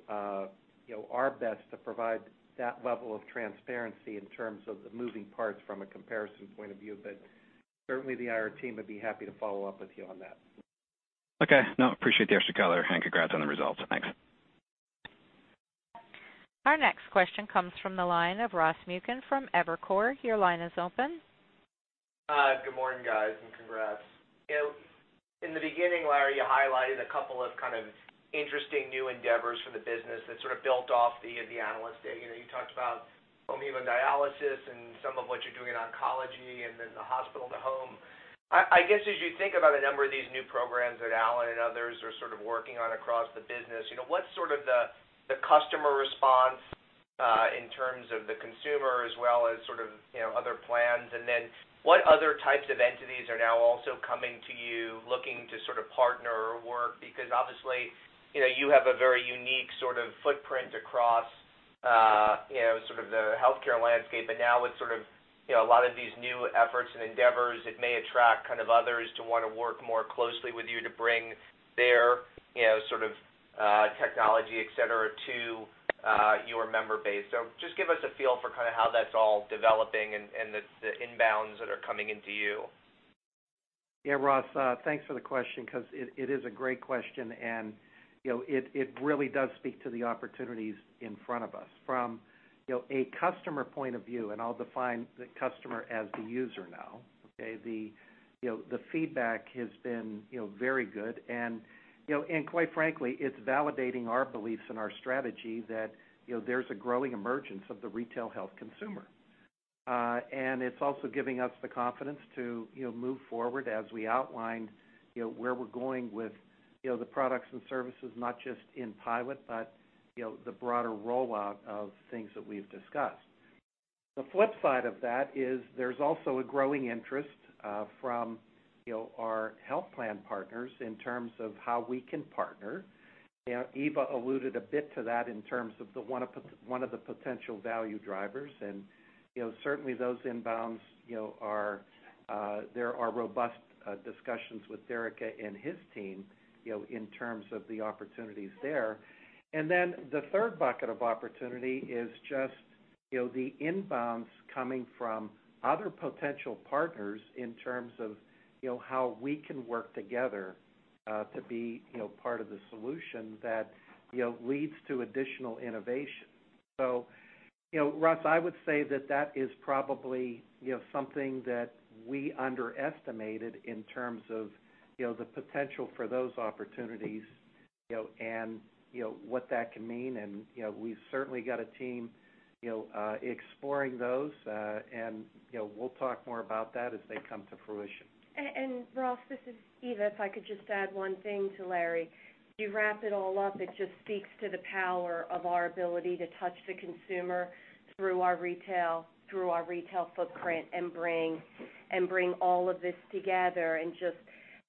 S2: our best to provide that level of transparency in terms of the moving parts from a comparison point of view. Certainly, the IR team would be happy to follow up with you on that.
S12: Okay. No, appreciate the extra color, and congrats on the results. Thanks.
S1: Our next question comes from the line of Ross Muken from Evercore. Your line is open.
S13: Hi, good morning, guys, and congrats. In the beginning, Larry, you highlighted a couple of kind of interesting new endeavors for the business that sort of built off the analyst day. You talked about home hemodialysis and some of what you're doing in oncology and then the hospital-to-home. I guess, as you think about a number of these new programs that Alan and others are sort of working on across the business, what's sort of the customer response, in terms of the consumer as well as sort of other plans? What other types of entities are now also coming to you looking to sort of partner or work? Obviously, you have a very unique sort of footprint across sort of the healthcare landscape. Now with sort of a lot of these new efforts and endeavors, it may attract kind of others to want to work more closely with you to bring their sort of technology, et cetera, to your member base. Just give us a feel for kind of how that's all developing and the inbounds that are coming into you.
S2: Yeah, Ross, thanks for the question, because it is a great question, it really does speak to the opportunities in front of us. From a customer point of view, I'll define the customer as the user now, okay, the feedback has been very good. Quite frankly, it's validating our beliefs and our strategy that there's a growing emergence of the retail health consumer. It's also giving us the confidence to move forward as we outlined where we're going with the products and services, not just in pilot, but the broader rollout of things that we've discussed. The flip side of that is there's also a growing interest from our health plan partners in terms of how we can partner. Eva alluded a bit to that in terms of one of the potential value drivers. Certainly, those inbounds, there are robust discussions with Derica and his team in terms of the opportunities there. Then the third bucket of opportunity is just the inbounds coming from other potential partners in terms of how we can work together, to be part of the solution that leads to additional innovation. Ross, I would say that that is probably something that we underestimated in terms of the potential for those opportunities and what that can mean. We've certainly got a team exploring those, and we'll talk more about that as they come to fruition.
S4: Ross, this is Eva. If I could just add one thing to Larry. You wrap it all up, it just speaks to the power of our ability to touch the consumer through our retail footprint, and bring all of this together and just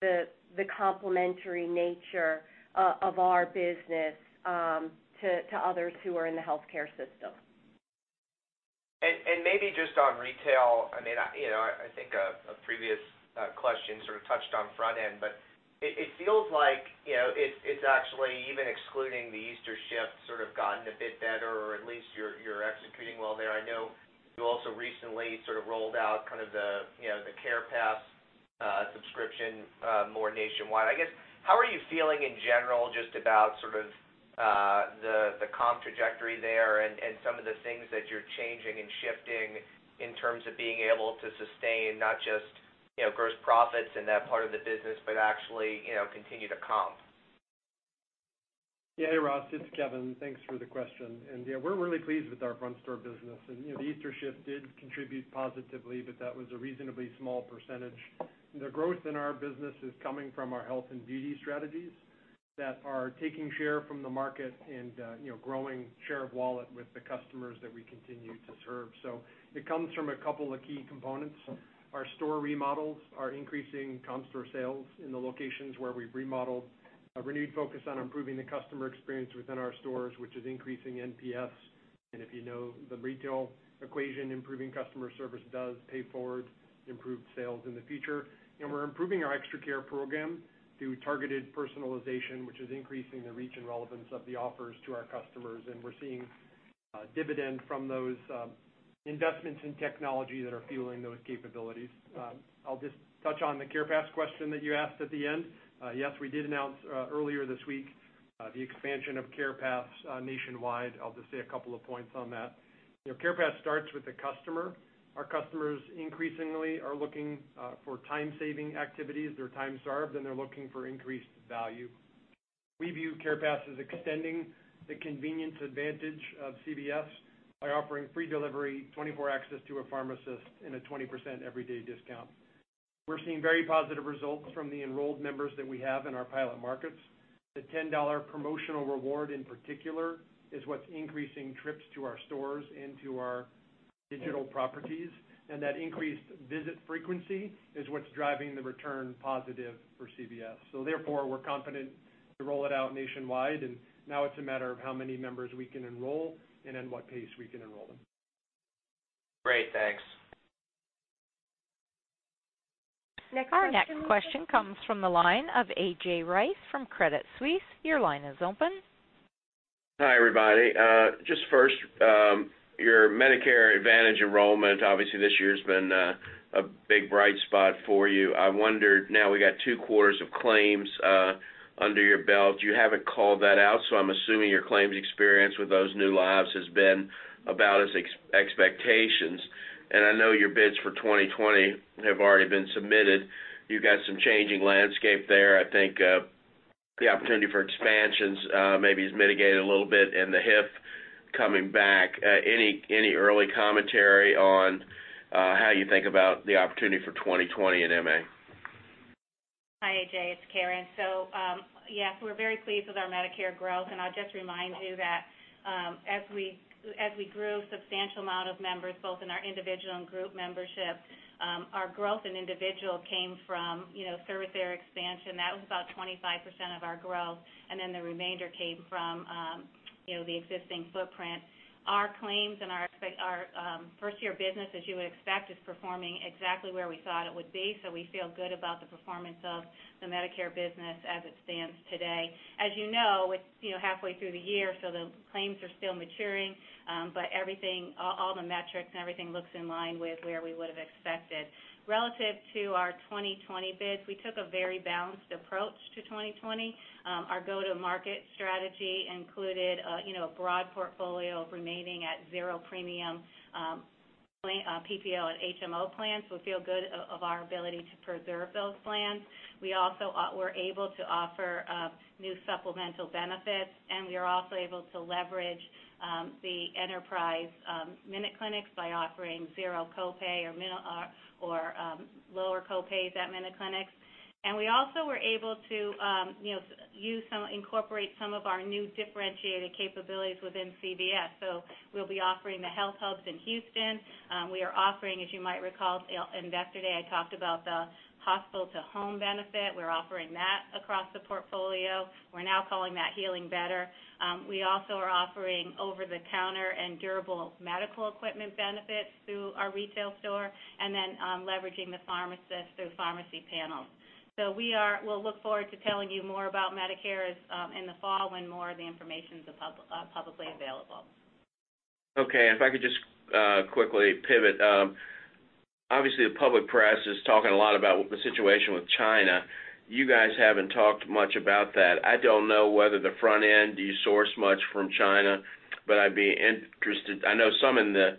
S4: the complementary nature of our business to others who are in the healthcare system.
S13: Maybe just on retail, I think a previous question sort of touched on front end, but it feels like it's actually, even excluding the Easter shift, sort of gotten a bit better or at least you're executing well there. How are you feeling in general just about sort of the comp trajectory there and some of the things that you're changing and shifting in terms of being able to sustain not just gross profits in that part of the business, but actually continue to comp?
S6: Hey, Ross, it's Kevin. Thanks for the question. We're really pleased with our front store business. The Easter shift did contribute positively, but that was a reasonably small percentage. The growth in our business is coming from our health and beauty strategies that are taking share from the market and growing share of wallet with the customers that we continue to serve. It comes from a couple of key components. Our store remodels are increasing comp store sales in the locations where we've remodeled. A renewed focus on improving the customer experience within our stores, which is increasing NPS. If you know the retail equation, improving customer service does pay forward improved sales in the future. We're improving our ExtraCare program through targeted personalization, which is increasing the reach and relevance of the offers to our customers. We're seeing dividend from those investments in technology that are fueling those capabilities. I'll just touch on the CarePass question that you asked at the end. Yes, we did announce earlier this week, the expansion of CarePass nationwide. I'll just say a couple of points on that. CarePass starts with the customer. Our customers increasingly are looking for time-saving activities. They're time-starved, and they're looking for increased value. We view CarePass as extending the convenience advantage of CVS by offering free delivery, 24 access to a pharmacist, and a 20% everyday discount. We're seeing very positive results from the enrolled members that we have in our pilot markets. The $10 promotional reward, in particular, is what's increasing trips to our stores and to our digital properties. That increased visit frequency is what's driving the return positive for CVS Health. Therefore, we're confident to roll it out nationwide, and now it's a matter of how many members we can enroll and at what pace we can enroll them.
S13: Great. Thanks.
S9: Next question.
S1: Our next question comes from the line of A.J. Rice from Credit Suisse. Your line is open.
S14: Hi, everybody. Just first, your Medicare Advantage enrollment, obviously, this year has been a big bright spot for you. I wondered, now we got two quarters of claims under your belt. You haven't called that out, so I'm assuming your claims experience with those new lives has been about as expectations. I know your bids for 2020 have already been submitted. You've got some changing landscape there. I think the opportunity for expansions maybe has mitigated a little bit and the HIF coming back. Any early commentary on how you think about the opportunity for 2020 at MA?
S9: Hi, A.J., it's Karen. Yes, we're very pleased with our Medicare growth, and I'll just remind you that as we grew a substantial amount of members, both in our individual and group membership, our growth in individual came from service area expansion. That was about 25% of our growth. The remainder came from the existing footprint. Our claims and our first-year business, as you would expect, is performing exactly where we thought it would be. We feel good about the performance of the Medicare business as it stands today. As you know, it's halfway through the year, so the claims are still maturing. Everything, all the metrics and everything looks in line with where we would've expected. Relative to our 2020 bids, we took a very balanced approach to 2020. Our go-to-market strategy included a broad portfolio remaining at zero premium PPO and HMO plans. We feel good of our ability to preserve those plans. We also were able to offer new supplemental benefits, and we are also able to leverage the enterprise MinuteClinic by offering zero copay or lower copays at MinuteClinic. We also were able to incorporate some of our new differentiated capabilities within CVS. We'll be offering the HealthHUB in Houston. We are offering, as you might recall, Investor Day, I talked about the hospital-to-home benefit. We're offering that across the portfolio. We're now calling that Healing Better. We also are offering over-the-counter and durable medical equipment benefits through our retail store, and then leveraging the pharmacist through pharmacy panels. We'll look forward to telling you more about Medicare in the fall when more of the information's publicly available.
S14: Okay, if I could just quickly pivot. Obviously, the public press is talking a lot about the situation with China. You guys haven't talked much about that. I don't know whether the front end, do you source much from China? I'd be interested, I know some in the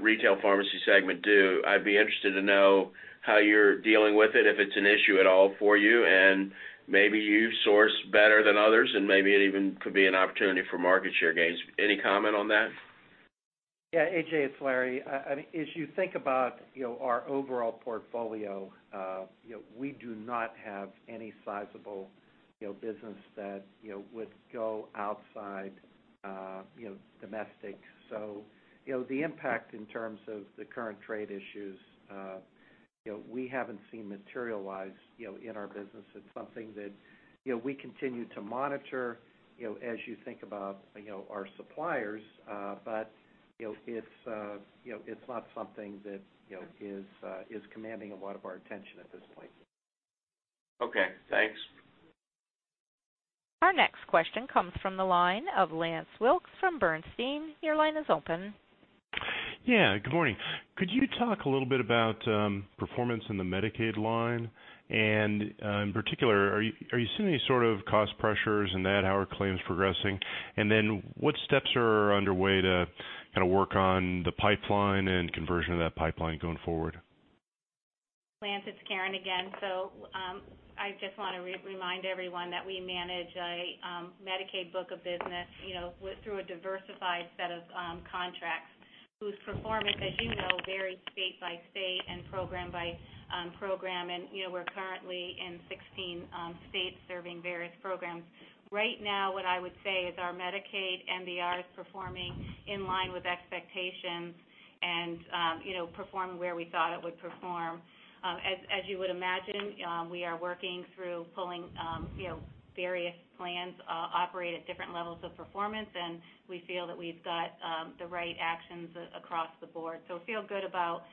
S14: retail pharmacy segment do. I'd be interested to know how you're dealing with it, if it's an issue at all for you, and maybe you source better than others, and maybe it even could be an opportunity for market share gains. Any comment on that?
S2: Yeah, A.J., it's Larry. As you think about our overall portfolio, we do not have any sizable business that would go outside domestic. The impact in terms of the current trade issues, we haven't seen materialize in our business. It's something that we continue to monitor, as you think about our suppliers, but it's not something that is commanding a lot of our attention at this point.
S14: Okay, thanks.
S1: Our next question comes from the line of Lance Wilkes from Bernstein. Your line is open.
S15: Yeah, good morning. Could you talk a little bit about performance in the Medicaid line? In particular, are you seeing any sort of cost pressures in that? How are claims progressing? What steps are underway to kind of work on the pipeline and conversion of that pipeline going forward?
S9: Lance, it's Karen again. I just want to remind everyone that we manage a Medicaid book of business through a diversified set of contracts whose performance, as you know, varies state by state and program by program. We're currently in 16 states serving various programs. Right now, what I would say is our Medicaid MBR is performing in line with expectations and performing where we thought it would perform. As you would imagine, we are working through pulling various plans operate at different levels of performance, and we feel that we've got the right actions across the board. We feel good about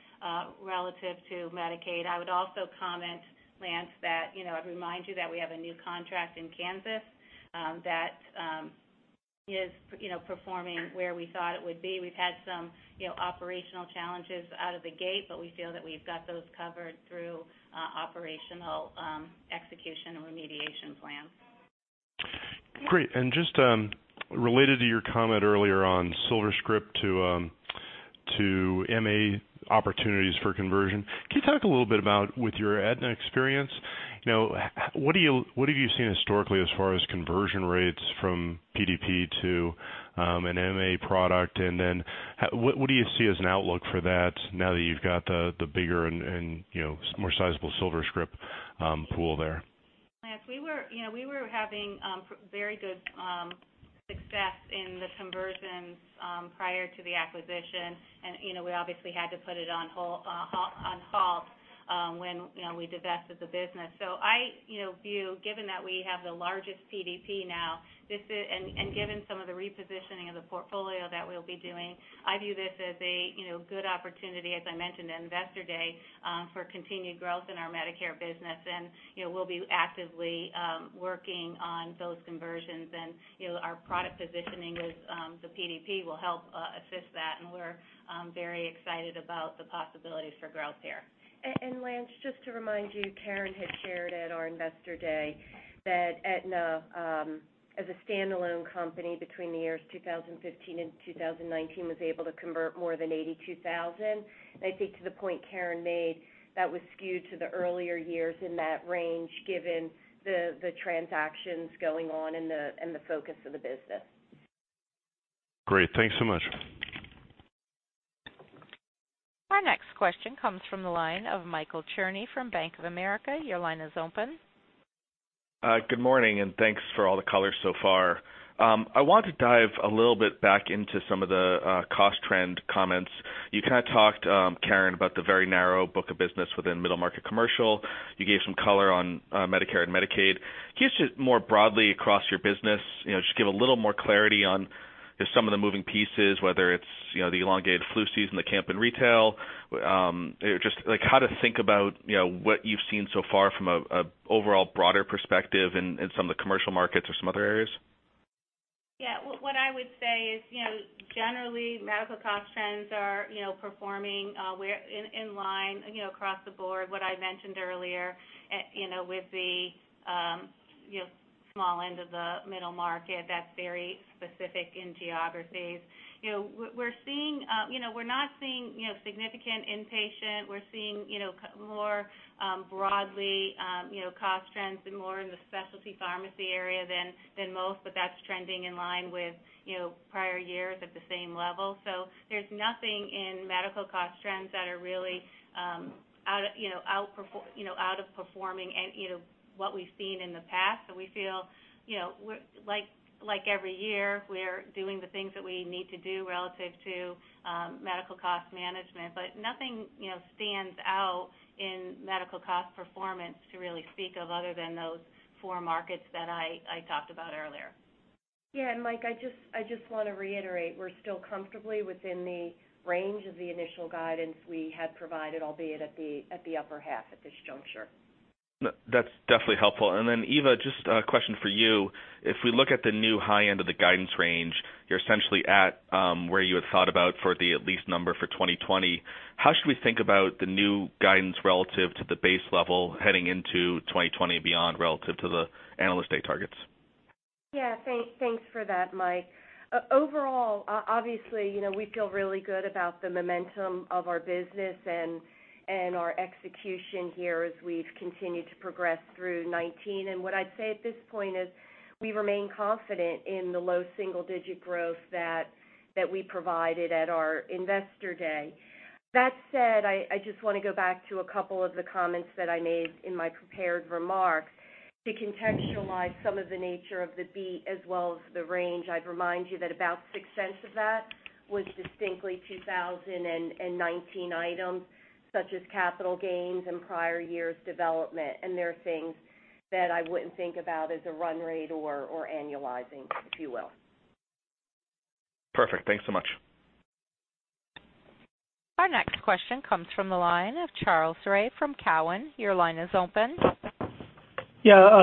S9: relative to Medicaid. I would also comment, Lance, that I'd remind you that we have a new contract in Kansas that is performing where we thought it would be. We've had some operational challenges out of the gate, but we feel that we've got those covered through operational execution and remediation plans.
S15: Great, just related to your comment earlier on SilverScript to MA opportunities for conversion, can you talk a little bit about, with your Aetna experience, what have you seen historically as far as conversion rates from PDP to an MA product? What do you see as an outlook for that now that you've got the bigger and more sizable SilverScript pool there?
S9: Yes, we were having very good success in the conversions prior to the acquisition, and we obviously had to put it on halt when we divested the business. I view, given that we have the largest PDP now, and given some of the repositioning of the portfolio that we'll be doing, I view this as a good opportunity, as I mentioned at Investor Day, for continued growth in our Medicare business. We'll be actively working on those conversions, and our product positioning with the PDP will help assist that, and we're very excited about the possibilities for growth there.
S4: Lance, just to remind you, Karen had shared at our Investor Day that Aetna, as a standalone company between the years 2015 and 2019, was able to convert more than 82,000. I think to the point Karen made, that was skewed to the earlier years in that range, given the transactions going on and the focus of the business.
S15: Great. Thanks so much.
S1: Our next question comes from the line of Michael Cherny from Bank of America. Your line is open.
S16: Good morning. Thanks for all the color so far. I want to dive a little bit back into some of the cost trend comments. You kind of talked, Karen, about the very narrow book of business within middle market commercial. You gave some color on Medicare and Medicaid. Can you just more broadly across your business, just give a little more clarity on just some of the moving pieces, whether it's the elongated flu season, the cap in retail, just like how to think about what you've seen so far from an overall broader perspective in some of the commercial markets or some other areas?
S9: Yeah. What I would say is, generally, medical cost trends are performing in line across the board. What I mentioned earlier with the small end of the middle market, that's very specific in geographies. We're not seeing significant inpatient. We're seeing more broadly cost trends more in the specialty pharmacy area than most, but that's trending in line with prior years at the same level. There's nothing in medical cost trends that are really out of performing what we've seen in the past. We feel, like every year, we're doing the things that we need to do relative to medical cost management. Nothing stands out in medical cost performance to really speak of other than those four markets that I talked about earlier.
S4: Mike, I just want to reiterate, we're still comfortably within the range of the initial guidance we had provided, albeit at the upper half at this juncture.
S16: That's definitely helpful. Eva, just a question for you? If we look at the new high end of the guidance range, you're essentially at where you had thought about for the at least number for 2020. How should we think about the new guidance relative to the base level heading into 2020 and beyond relative to the Analyst Day targets?
S4: Yeah. Thanks for that, Mike. Overall, obviously, we feel really good about the momentum of our business and our execution here as we've continued to progress through 2019. What I'd say at this point is we remain confident in the low single-digit growth that we provided at our Investor Day. That said, I just want to go back to a couple of the comments that I made in my prepared remarks to contextualize some of the nature of the beat as well as the range. I'd remind you that about $0.06 of that was distinctly 2019 items, such as capital gains and prior years' development, and they're things that I wouldn't think about as a run rate or annualizing, if you will.
S16: Perfect. Thanks so much.
S1: Our next question comes from the line of Charles Rhyee from Cowen. Your line is open.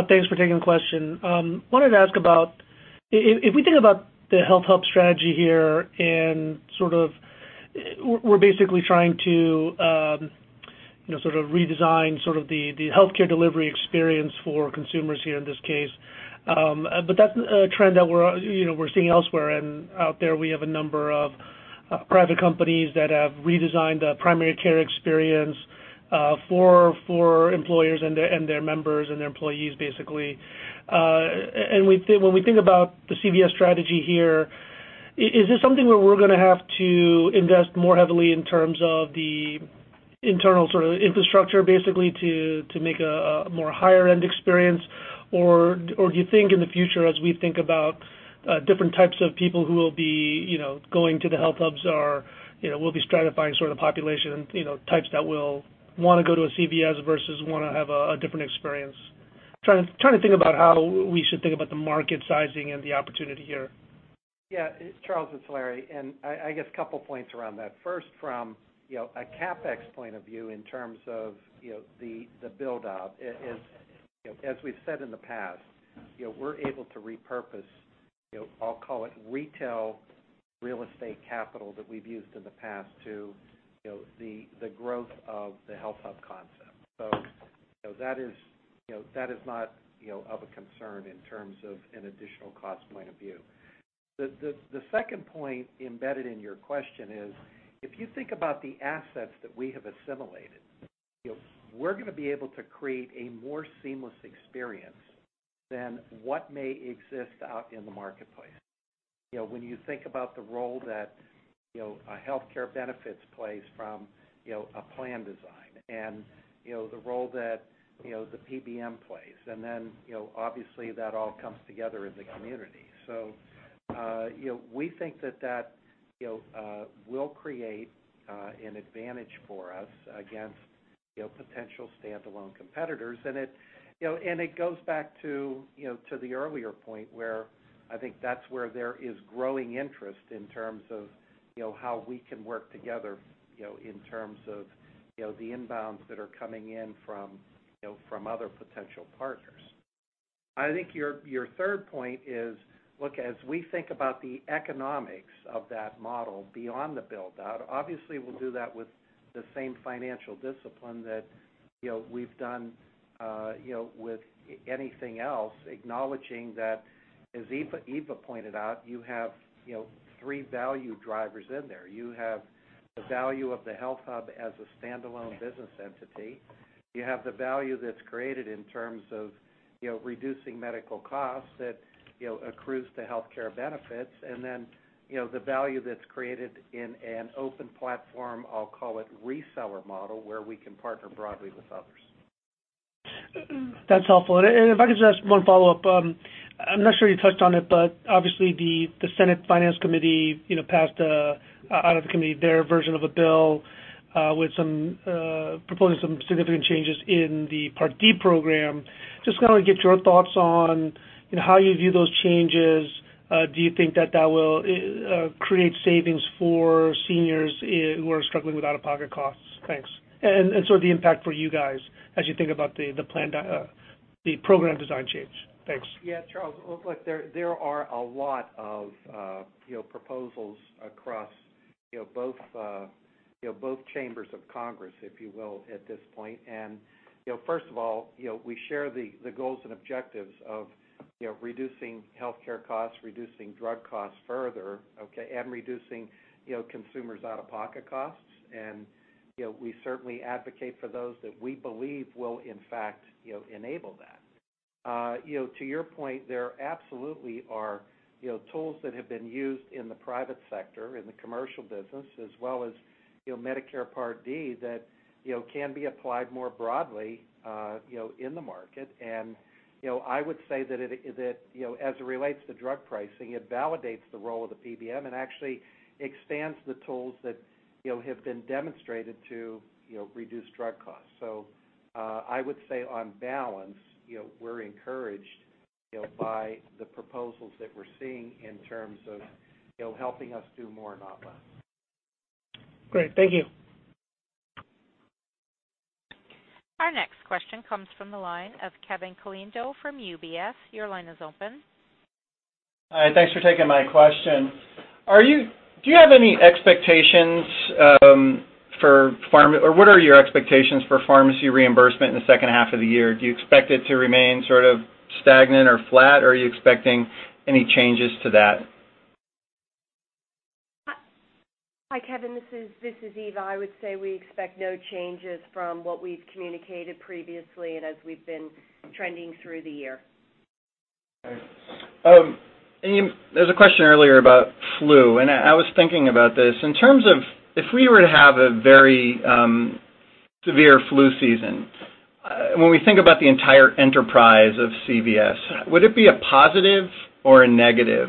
S17: Thanks for taking the question. I wanted to ask about, if we think about the HealthHUB strategy here and sort of we're basically trying to sort of redesign the healthcare delivery experience for consumers here in this case. That's a trend that we're seeing elsewhere, and out there, we have a number of private companies that have redesigned the primary care experience for employers and their members and their employees, basically. When we think about the CVS strategy here, is this something where we're going to have to invest more heavily in terms of the internal sort of infrastructure, basically, to make a more higher-end experience? Do you think in the future, as we think about different types of people who will be going to the HealthHUBs, or we'll be stratifying sort of population types that will want to go to a CVS versus want to have a different experience? Trying to think about how we should think about the market sizing and the opportunity here.
S2: Yeah. Charles, it's Larry. I guess a couple points around that. First, from a CapEx point of view in terms of the build-out is, as we've said in the past, we're able to repurpose, I'll call it retail real estate capital that we've used in the past to the growth of the HealthHUB concept. That is not of a concern in terms of an additional cost point of view. The second point embedded in your question is, if you think about the assets that we have assimilated, we're going to be able to create a more seamless experience than what may exist out in the marketplace. When you think about the role that healthcare benefits plays from a plan design and the role that the PBM plays, obviously that all comes together in the community. We think that will create an advantage for us against potential standalone competitors. It goes back to the earlier point where I think that's where there is growing interest in terms of how we can work together, in terms of the inbounds that are coming in from other potential partners. I think your third point is, look, as we think about the economics of that model beyond the build-out, obviously, we'll do that with the same financial discipline that we've done with anything else, acknowledging that, as Eva pointed out, you have three value drivers in there. You have the value of the HealthHUB as a standalone business entity. You have the value that's created in terms of reducing medical costs that accrues to healthcare benefits, and then the value that's created in an open platform, I'll call it reseller model, where we can partner broadly with others.
S17: That's helpful. If I could just ask one follow-up. I'm not sure you touched on it, but obviously the Senate Finance Committee passed out of committee their version of a bill proposing some significant changes in the Part D program. Just want to get your thoughts on how you view those changes. Do you think that that will create savings for seniors who are struggling with out-of-pocket costs? Thanks. Sort of the impact for you guys as you think about the program design change? Thanks.
S2: Charles, look, there are a lot of proposals across both chambers of Congress, if you will, at this point. First of all, we share the goals and objectives of reducing healthcare costs, reducing drug costs further, okay, and reducing consumers' out-of-pocket costs. We certainly advocate for those that we believe will in fact enable that. To your point, there absolutely are tools that have been used in the private sector, in the commercial business, as well as Medicare Part D that can be applied more broadly in the market. I would say that as it relates to drug pricing, it validates the role of the PBM and actually expands the tools that have been demonstrated to reduce drug costs. I would say on balance, we're encouraged by the proposals that we're seeing in terms of helping us do more, not less.
S17: Great. Thank you.
S1: Our next question comes from the line of Kevin Caliendo from UBS. Your line is open.
S18: Hi, thanks for taking my question. Do you have any expectations for pharma, or what are your expectations for pharmacy reimbursement in the second half of the year? Do you expect it to remain sort of stagnant or flat, or are you expecting any changes to that?
S4: Hi, Kevin, this is Eva. I would say we expect no changes from what we've communicated previously and as we've been trending through the year.
S18: Okay. There was a question earlier about flu, and I was thinking about this. In terms of if we were to have a very severe flu season, when we think about the entire enterprise of CVS, would it be a positive or a negative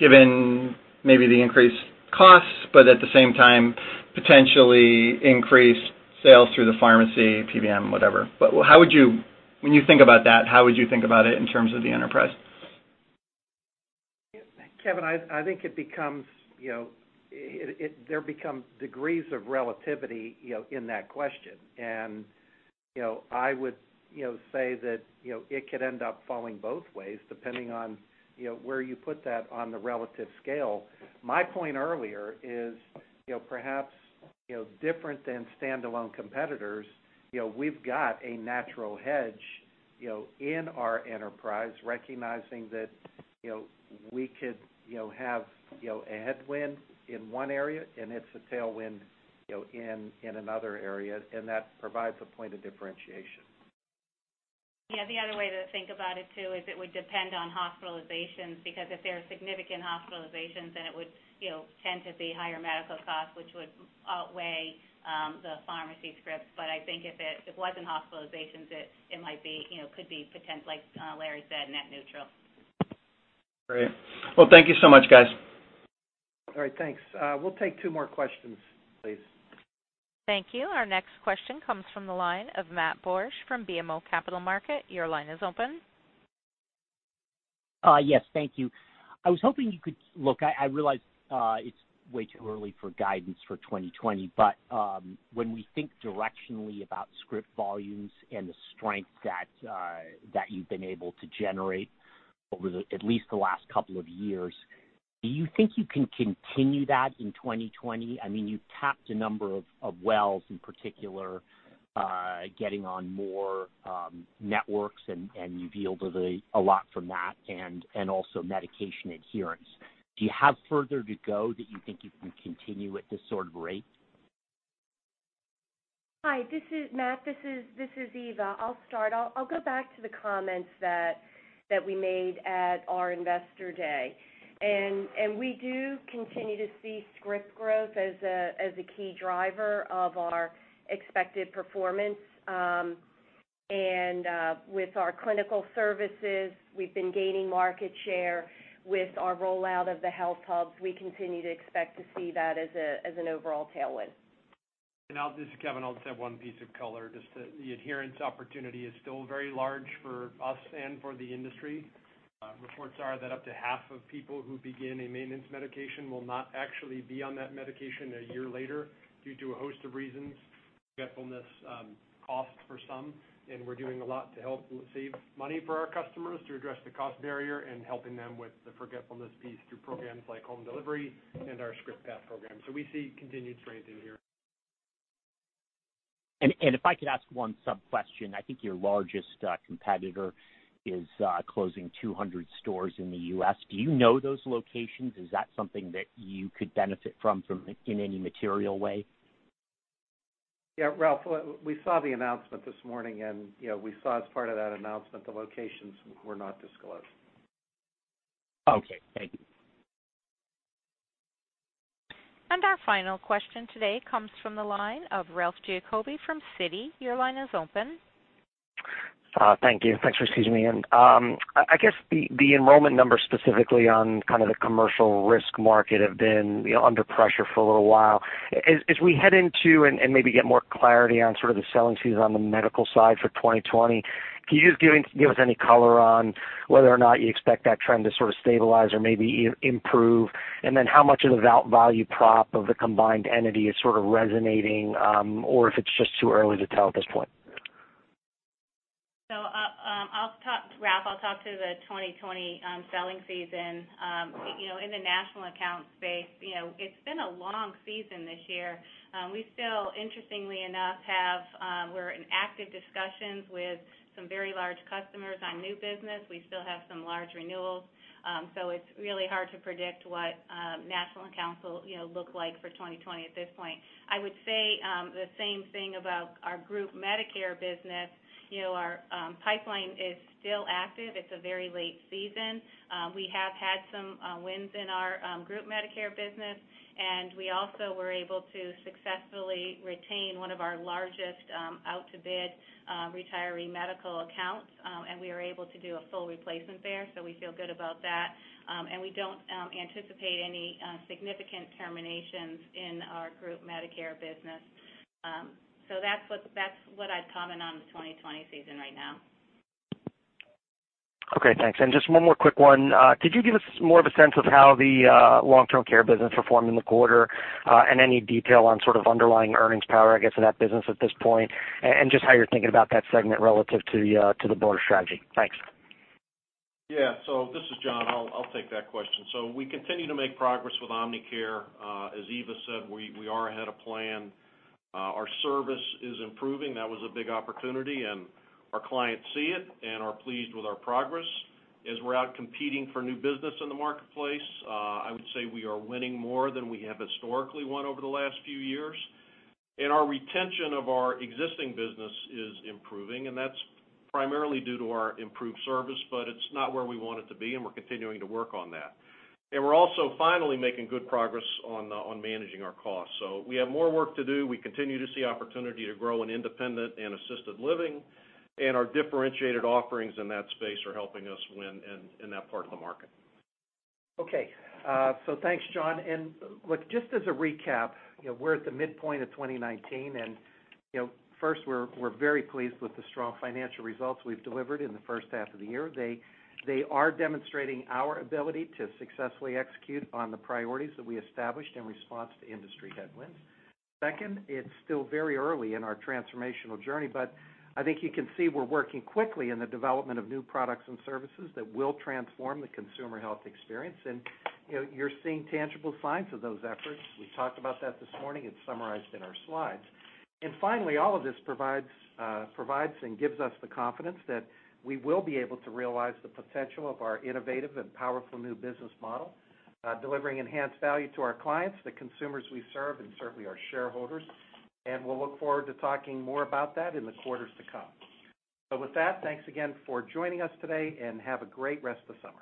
S18: given maybe the increased costs, but at the same time, potentially increased sales through the pharmacy, PBM, whatever? When you think about that, how would you think about it in terms of the enterprise?
S2: Kevin, I think there becomes degrees of relativity in that question. I would say that it could end up falling both ways depending on where you put that on the relative scale. My point earlier is perhaps different than standalone competitors. We've got a natural hedge in our enterprise, recognizing that we could have a headwind in one area, and it's a tailwind in another area, and that provides a point of differentiation.
S9: Yeah. The other way to think about it too is it would depend on hospitalizations because if there are significant hospitalizations, then it would tend to be higher medical costs, which would outweigh the pharmacy script. I think if it wasn't hospitalizations, it might be, could be potentially, like Larry said, net neutral.
S18: Great. Well, thank you so much, guys.
S2: All right. Thanks. We'll take two more questions, please.
S1: Thank you. Our next question comes from the line of Matthew Borsch from BMO Capital Markets. Your line is open.
S19: Yes. Thank you. I was hoping look, I realize, it's way too early for guidance for 2020, but, when we think directionally about script volumes and the strength that you've been able to generate over at least the last couple of years, do you think you can continue that in 2020? You've tapped a number of wells, in particular, getting on more networks, and you've yielded a lot from that and also medication adherence. Do you have further to go that you think you can continue at this sort of rate?
S4: Hi, this is Matt. This is Eva. I'll start. I'll go back to the comments that we made at our investor day. We do continue to see script growth as a key driver of our expected performance. With our clinical services, we've been gaining market share with our rollout of the HealthHUBs. We continue to expect to see that as an overall tailwind.
S6: This is Kevin. I'll just add one piece of color, just that the adherence opportunity is still very large for us and for the industry. Reports are that up to half of people who begin a maintenance medication will not actually be on that medication a year later due to a host of reasons, forgetfulness, cost for some, and we're doing a lot to help save money for our customers to address the cost barrier and helping them with the forgetfulness piece through programs like home delivery and our ScriptPath program. We see continued trends in here.
S19: If I could ask one sub-question. I think your largest competitor is closing 200 stores in the U.S. Do you know those locations? Is that something that you could benefit from in any material way?
S2: Yeah, Ralph, we saw the announcement this morning, and we saw as part of that announcement, the locations were not disclosed.
S19: Okay, thank you.
S1: Our final question today comes from the line of Ralph Giacobbe from Citi. Your line is open.
S20: Thank you. Thanks for squeezing me in. I guess the enrollment numbers specifically on the commercial risk market have been under pressure for a little while. As we head into and maybe get more clarity on sort of the selling season on the medical side for 2020, can you just give us any color on whether or not you expect that trend to sort of stabilize or maybe improve? How much of the value prop of the combined entity is sort of resonating, or if it's just too early to tell at this point?
S9: Ralph, I'll talk to the 2020 selling season. In the national account space, it's been a long season this year. We still, interestingly enough, we're in active discussions with some very large customers on new business. We still have some large renewals. It's really hard to predict what national accounts will look like for 2020 at this point. I would say the same thing about our group Medicare business. Our pipeline is still active. It's a very late season. We have had some wins in our group Medicare business, and we also were able to successfully retain one of our largest out-to-bid retiree medical accounts, and we were able to do a full replacement there, so we feel good about that. We don't anticipate any significant terminations in our group Medicare business. That's what I'd comment on the 2020 season right now.
S20: Okay, thanks. Just one more quick one. Could you give us more of a sense of how the long-term care business performed in the quarter? Any detail on sort of underlying earnings power, I guess, of that business at this point, and just how you're thinking about that segment relative to the broader strategy. Thanks.
S21: This is John. I'll take that question. We continue to make progress with Omnicare. As Eva said, we are ahead of plan. Our service is improving. That was a big opportunity, and our clients see it and are pleased with our progress. As we're out competing for new business in the marketplace, I would say we are winning more than we have historically won over the last few years. Our retention of our existing business is improving, and that's primarily due to our improved service, but it's not where we want it to be, and we're continuing to work on that. We're also finally making good progress on managing our costs. We have more work to do. We continue to see opportunity to grow in independent and assisted living, and our differentiated offerings in that space are helping us win in that part of the market.
S2: Okay. Thanks, John. Look, just as a recap, we're at the midpoint of 2019, and first, we're very pleased with the strong financial results we've delivered in the first half of the year. They are demonstrating our ability to successfully execute on the priorities that we established in response to industry headwinds. Second, it's still very early in our transformational journey, I think you can see we're working quickly in the development of new products and services that will transform the consumer health experience. You're seeing tangible signs of those efforts. We talked about that this morning. It's summarized in our slides. Finally, all of this provides and gives us the confidence that we will be able to realize the potential of our innovative and powerful new business model, delivering enhanced value to our clients, the consumers we serve, and certainly our shareholders. We'll look forward to talking more about that in the quarters to come. With that, thanks again for joining us today, and have a great rest of the summer.